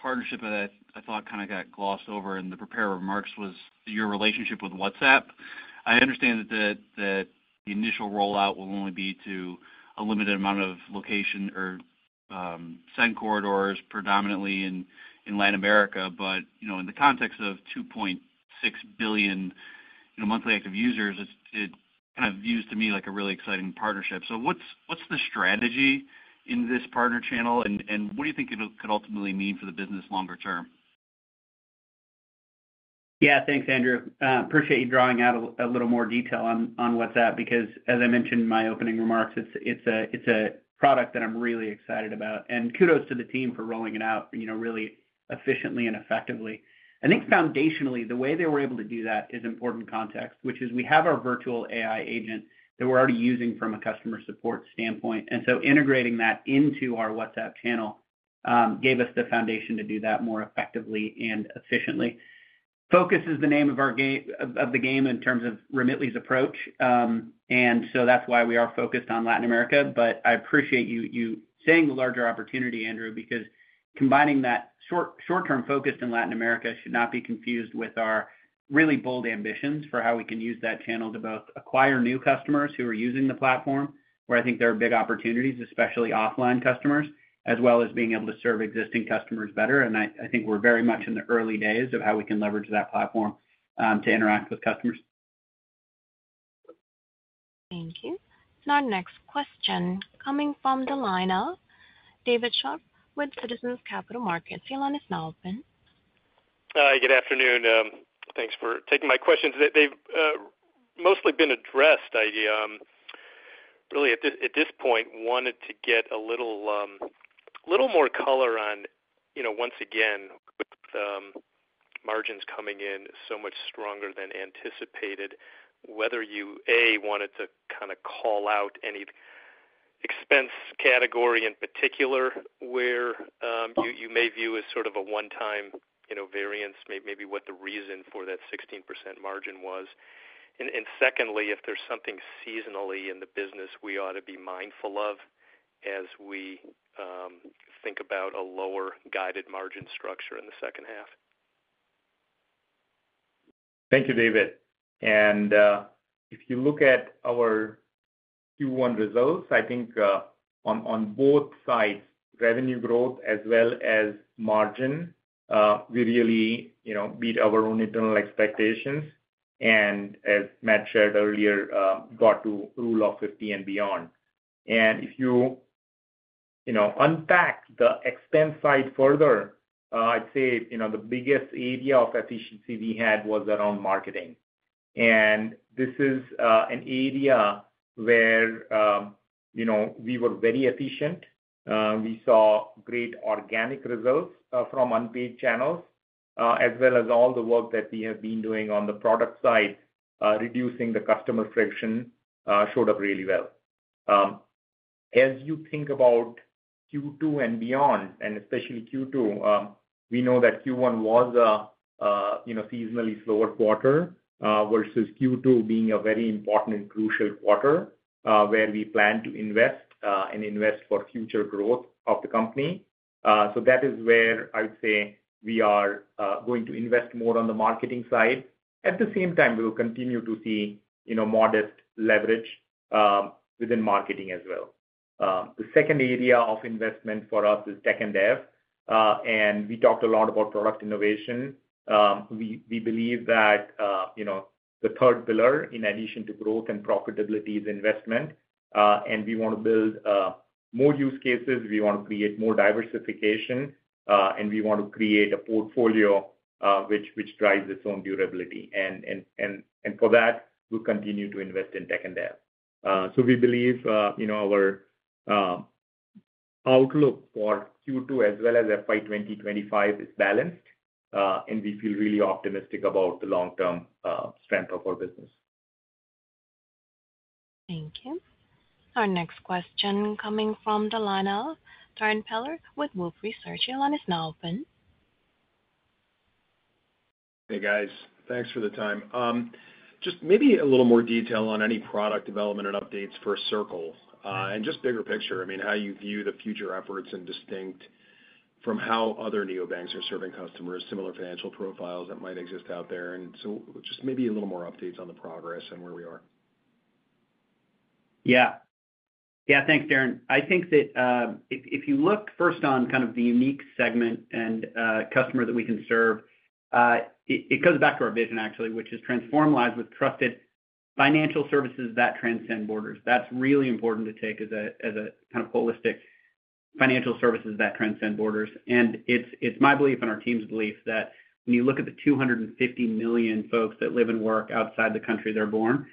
Speaker 10: partnership that I thought kind of got glossed over in the prepared remarks was your relationship with WhatsApp. I understand that the initial rollout will only be to a limited amount of location or send corridors predominantly in Latin America. In the context of 2.6 billion monthly active users, it kind of views to me like a really exciting partnership. What is the strategy in this partner channel, and what do you think it could ultimately mean for the business longer term?
Speaker 3: Yeah. Thanks, Andrew. Appreciate you drawing out a little more detail on WhatsApp because, as I mentioned in my opening remarks, it's a product that I'm really excited about. Kudos to the team for rolling it out really efficiently and effectively. I think foundationally, the way they were able to do that is important context, which is we have our virtual AI agent that we're already using from a customer support standpoint. Integrating that into our WhatsApp channel gave us the foundation to do that more effectively and efficiently. Focus is the name of the game in terms of Remitly's approach. That is why we are focused on Latin America. I appreciate you saying the larger opportunity, Andrew, because combining that short-term focus in Latin America should not be confused with our really bold ambitions for how we can use that channel to both acquire new customers who are using the platform, where I think there are big opportunities, especially offline customers, as well as being able to serve existing customers better. I think we're very much in the early days of how we can leverage that platform to interact with customers.
Speaker 1: Thank you. Now, next question coming from the line of David Shaw with Citizens Capital Markets. Your line is now open.
Speaker 11: Hi. Good afternoon. Thanks for taking my questions. They've mostly been addressed. Really, at this point, wanted to get a little more color on, once again, with margins coming in so much stronger than anticipated, whether you, A, wanted to kind of call out any expense category in particular where you may view as sort of a one-time variance, maybe what the reason for that 16% margin was. And secondly, if there's something seasonally in the business we ought to be mindful of as we think about a lower guided margin structure in the second half.
Speaker 4: Thank you, David. If you look at our Q1 results, I think on both sides, revenue growth as well as margin, we really beat our own internal expectations. As Matt shared earlier, got to rule of 50 and beyond. If you unpack the expense side further, I'd say the biggest area of efficiency we had was around marketing. This is an area where we were very efficient. We saw great organic results from unpaid channels, as well as all the work that we have been doing on the product side, reducing the customer friction showed up really well. As you think about Q2 and beyond, and especially Q2, we know that Q1 was a seasonally slower quarter versus Q2 being a very important and crucial quarter where we plan to invest and invest for future growth of the company. That is where I would say we are going to invest more on the marketing side. At the same time, we will continue to see modest leverage within marketing as well. The second area of investment for us is tech and dev. We talked a lot about product innovation. We believe that the third pillar, in addition to growth and profitability, is investment. We want to build more use cases. We want to create more diversification, and we want to create a portfolio which drives its own durability. For that, we'll continue to invest in tech and dev. We believe our outlook for Q2 as well as FY 2025 is balanced, and we feel really optimistic about the long-term strength of our business.
Speaker 1: Thank you. Our next question coming from the line of Darrin Peller with Wolfe Research. Your line is now open.
Speaker 12: Hey, guys. Thanks for the time. Just maybe a little more detail on any product development and updates for Circle and just bigger picture, I mean, how you view the future efforts and distinct from how other neobanks are serving customers, similar financial profiles that might exist out there. Just maybe a little more updates on the progress and where we are.
Speaker 3: Yeah. Yeah. Thanks, Darrin. I think that if you look first on kind of the unique segment and customer that we can serve, it comes back to our vision, actually, which is transform lives with trusted financial services that transcend borders. That's really important to take as a kind of holistic financial services that transcend borders. It is my belief and our team's belief that when you look at the 250 million folks that live and work outside the country they're born,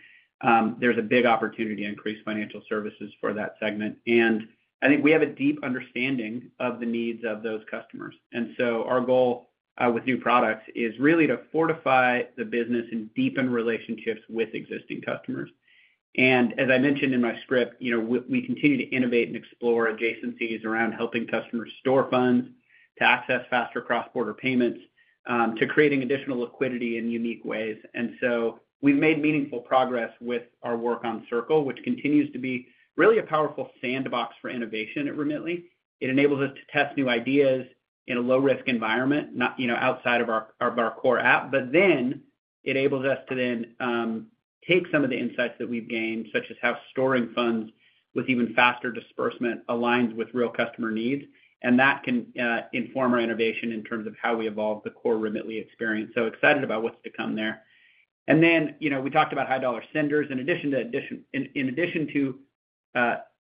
Speaker 3: there's a big opportunity to increase financial services for that segment. I think we have a deep understanding of the needs of those customers. Our goal with new products is really to fortify the business and deepen relationships with existing customers. As I mentioned in my script, we continue to innovate and explore adjacencies around helping customers store funds, to access faster cross-border payments, to creating additional liquidity in unique ways. We have made meaningful progress with our work on Circle, which continues to be really a powerful sandbox for innovation at Remitly. It enables us to test new ideas in a low-risk environment outside of our core app. It enables us to then take some of the insights that we've gained, such as how storing funds with even faster disbursement aligns with real customer needs. That can inform our innovation in terms of how we evolve the core Remitly experience. I am excited about what's to come there. We talked about high-dollar senders. In addition to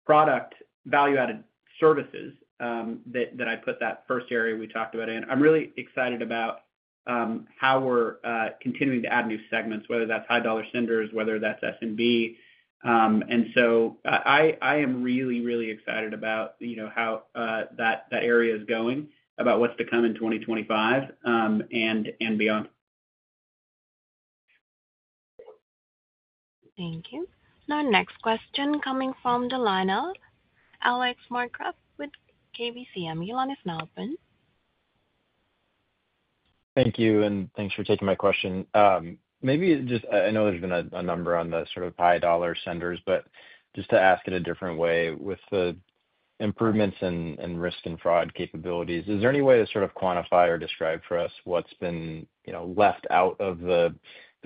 Speaker 3: product value-added services that I put that first area we talked about in, I'm really excited about how we're continuing to add new segments, whether that's high-dollar senders, whether that's S&B. I am really, really excited about how that area is going, about what's to come in 2025 and beyond.
Speaker 1: Thank you. Next question coming from the line of Alex Markgraff with KBCM. Your line is now open.
Speaker 13: Thank you. Thanks for taking my question. Maybe just I know there's been a number on the sort of high-dollar senders, but just to ask it a different way, with the improvements in risk and fraud capabilities, is there any way to sort of quantify or describe for us what's been left out of the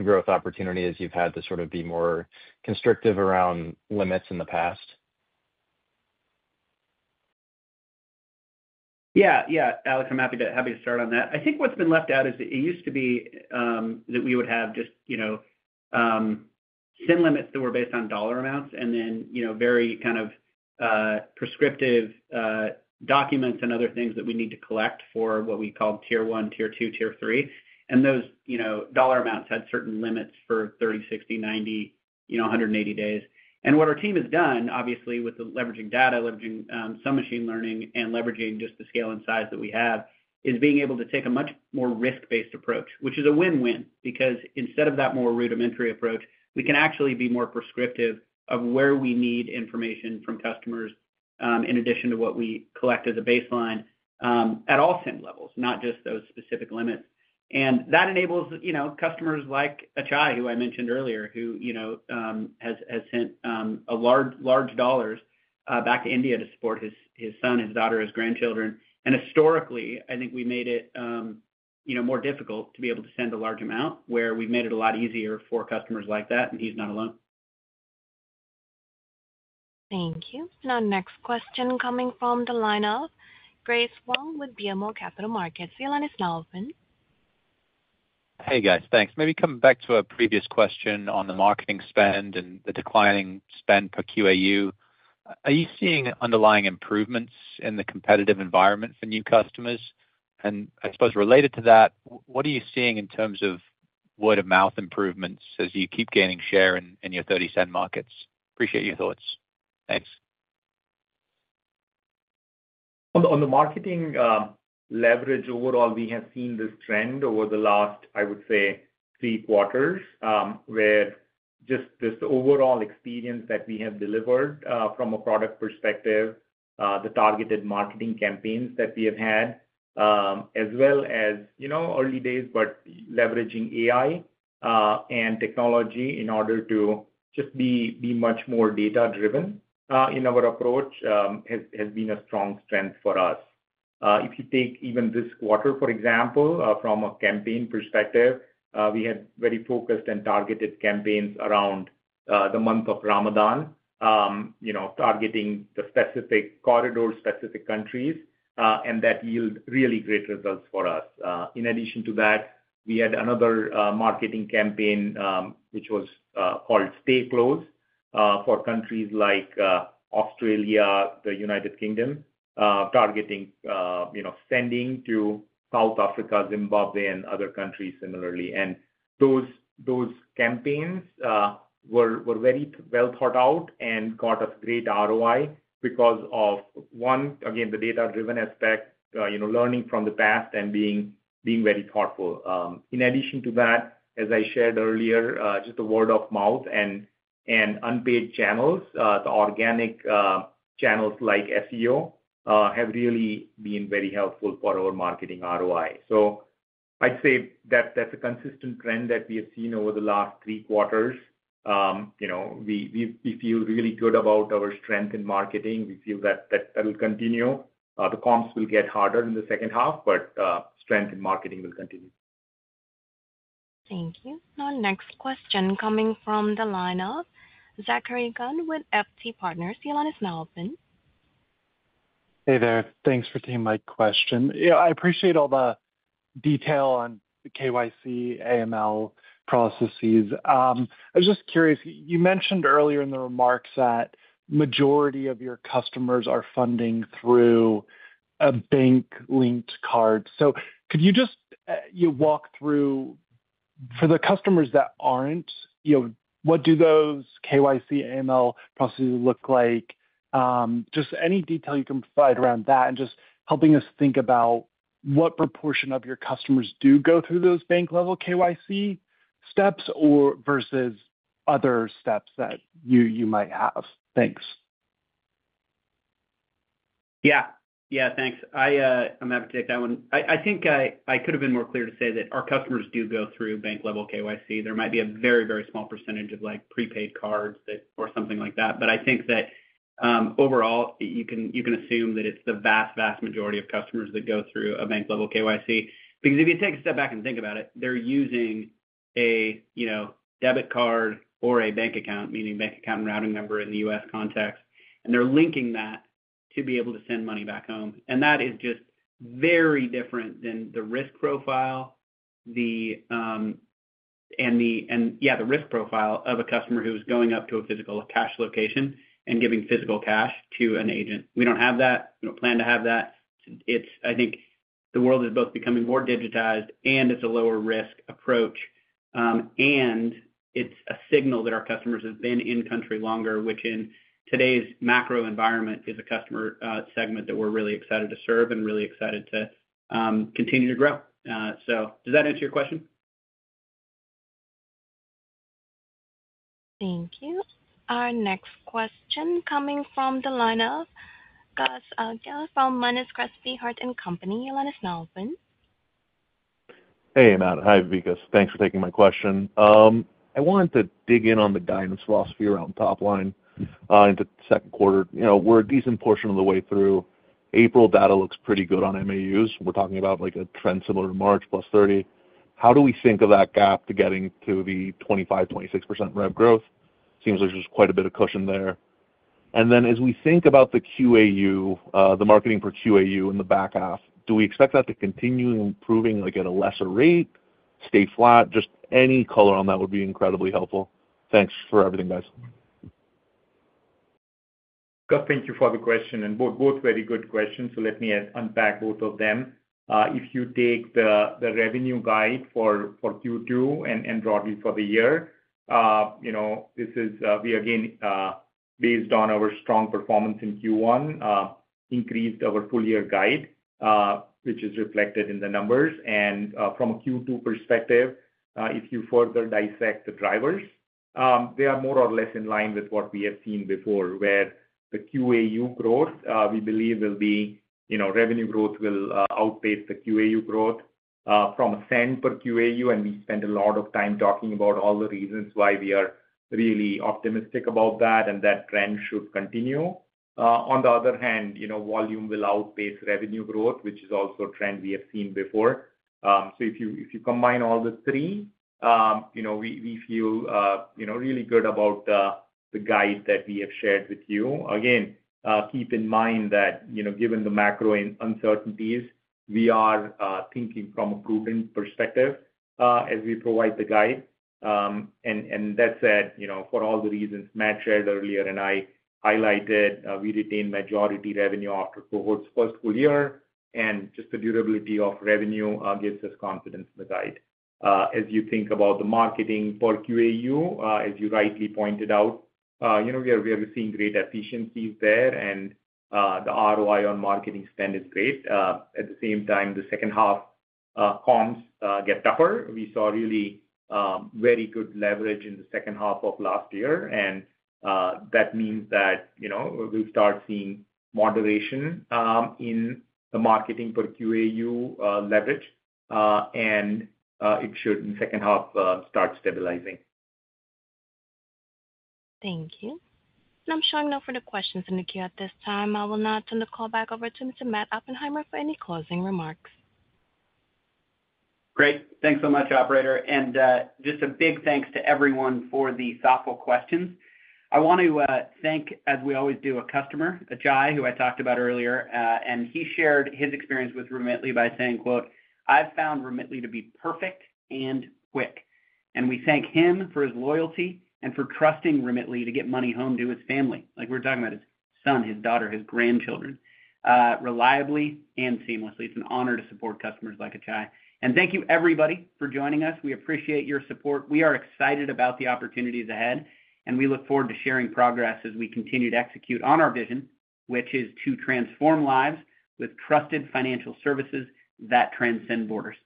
Speaker 13: growth opportunities you've had to sort of be more constrictive around limits in the past?
Speaker 3: Yeah. Yeah. Alex, I'm happy to start on that. I think what's been left out is that it used to be that we would have just SIN limits that were based on dollar amounts and then very kind of prescriptive documents and other things that we need to collect for what we called tier one, tier two, tier three. And those dollar amounts had certain limits for 30, 60, 90, 180 days. What our team has done, obviously, with leveraging data, leveraging some machine learning, and leveraging just the scale and size that we have, is being able to take a much more risk-based approach, which is a win-win because instead of that more rudimentary approach, we can actually be more prescriptive of where we need information from customers in addition to what we collect as a baseline at all SIN levels, not just those specific limits. That enables customers like Ajay, who I mentioned earlier, who has sent large dollars back to India to support his son, his daughter, his grandchildren. Historically, I think we made it more difficult to be able to send a large amount, where we've made it a lot easier for customers like that, and he's not alone.
Speaker 1: Thank you. Now, next question coming from the line of Grace Wong with BMO Capital Markets. Your line is now open.
Speaker 14: Hey, guys. Thanks. Maybe coming back to a previous question on the marketing spend and the declining spend per QAU, are you seeing underlying improvements in the competitive environment for new customers? I suppose related to that, what are you seeing in terms of word-of-mouth improvements as you keep gaining share in your 30-cent markets? Appreciate your thoughts. Thanks.
Speaker 4: On the marketing leverage, overall, we have seen this trend over the last, I would say, three quarters, where just this overall experience that we have delivered from a product perspective, the targeted marketing campaigns that we have had, as well as early days, but leveraging AI and technology in order to just be much more data-driven in our approach has been a strong strength for us. If you take even this quarter, for example, from a campaign perspective, we had very focused and targeted campaigns around the month of Ramadan, targeting the specific corridors, specific countries, and that yielded really great results for us. In addition to that, we had another marketing campaign which was called Stay Close for countries like Australia, the United Kingdom, targeting sending to South Africa, Zimbabwe, and other countries similarly. Those campaigns were very well thought out and got us great ROI because of, one, again, the data-driven aspect, learning from the past and being very thoughtful. In addition to that, as I shared earlier, just the word-of-mouth and unpaid channels, the organic channels like SEO have really been very helpful for our marketing ROI. I'd say that that's a consistent trend that we have seen over the last three quarters. We feel really good about our strength in marketing. We feel that that will continue. The comps will get harder in the second half, but strength in marketing will continue.
Speaker 1: Thank you. Now, next question coming from the line of Zachary Gunn with FT Partners. Your line is now open.
Speaker 15: Hey, there. Thanks for taking my question. I appreciate all the detail on the KYC, AML processes. I was just curious. You mentioned earlier in the remarks that the majority of your customers are funding through a bank-linked card. Could you just walk through, for the customers that aren't, what do those KYC, AML processes look like? Just any detail you can provide around that and just helping us think about what proportion of your customers do go through those bank-level KYC steps versus other steps that you might have. Thanks.
Speaker 3: Yeah. Thanks. I'm happy to take that one. I think I could have been more clear to say that our customers do go through bank-level KYC. There might be a very, very small percentage of prepaid cards or something like that. I think that overall, you can assume that it's the vast, vast majority of customers that go through a bank-level KYC because if you take a step back and think about it, they're using a debit card or a bank account, meaning bank account and routing number in the U.S. context, and they're linking that to be able to send money back home. That is just very different than the risk profile and, yeah, the risk profile of a customer who is going up to a physical cash location and giving physical cash to an agent. We don't have that. We don't plan to have that. I think the world is both becoming more digitized, and it's a lower-risk approach, and it's a signal that our customers have been in-country longer, which in today's macro environment is a customer segment that we're really excited to serve and really excited to continue to grow. Does that answer your question?
Speaker 1: Thank you. Our next question coming from the line of Hart and Company. Your line is now open.
Speaker 16: Hey, Amanda. Hi, Vikas. Thanks for taking my question. I wanted to dig in on the guidance philosophy around top line into the second quarter. We're a decent portion of the way through. April data looks pretty good on MAUs. We're talking about a trend similar to March plus 30. How do we think of that gap to getting to the 25%-26% rev growth? Seems like there's quite a bit of cushion there. As we think about the QAU, the marketing for QAU and the back half, do we expect that to continue improving at a lesser rate, stay flat? Just any color on that would be incredibly helpful. Thanks for everything, guys.
Speaker 4: Gus, thank you for the question. Both very good questions. Let me unpack both of them. If you take the revenue guide for Q2 and broadly for the year, this is, again, based on our strong performance in Q1, increased our full-year guide, which is reflected in the numbers. From a Q2 perspective, if you further dissect the drivers, they are more or less in line with what we have seen before, where the QAU growth, we believe, will be revenue growth will outpace the QAU growth from a send per QAU. We spent a lot of time talking about all the reasons why we are really optimistic about that, and that trend should continue. On the other hand, volume will outpace revenue growth, which is also a trend we have seen before. If you combine all the three, we feel really good about the guide that we have shared with you. Again, keep in mind that given the macro uncertainties, we are thinking from a prudent perspective as we provide the guide. That said, for all the reasons Matt shared earlier and I highlighted, we retain majority revenue after cohort's first full year, and just the durability of revenue gives us confidence in the guide. As you think about the marketing per QAU, as you rightly pointed out, we are seeing great efficiencies there, and the ROI on marketing spend is great. At the same time, the second half comps get tougher. We saw really very good leverage in the second half of last year, and that means that we'll start seeing moderation in the marketing per QAU leverage, and it should, in the second half, start stabilizing.
Speaker 1: Thank you. I'm showing no further questions in the queue at this time. I will now turn the call back over to Mr. Matt Oppenheimer for any closing remarks.
Speaker 3: Great. Thanks so much, Operator. Just a big thanks to everyone for the thoughtful questions. I want to thank, as we always do, a customer, Ajay, who I talked about earlier, and he shared his experience with Remitly by saying, "I've found Remitly to be perfect and quick." We thank him for his loyalty and for trusting Remitly to get money home to his family. We're talking about his son, his daughter, his grandchildren, reliably and seamlessly. It's an honor to support customers like Ajay. Thank you, everybody, for joining us. We appreciate your support. We are excited about the opportunities ahead, and we look forward to sharing progress as we continue to execute on our vision, which is to transform lives with trusted financial services that transcend borders.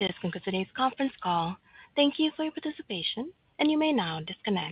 Speaker 1: This concludes today's conference call. Thank you for your participation, and you may now disconnect.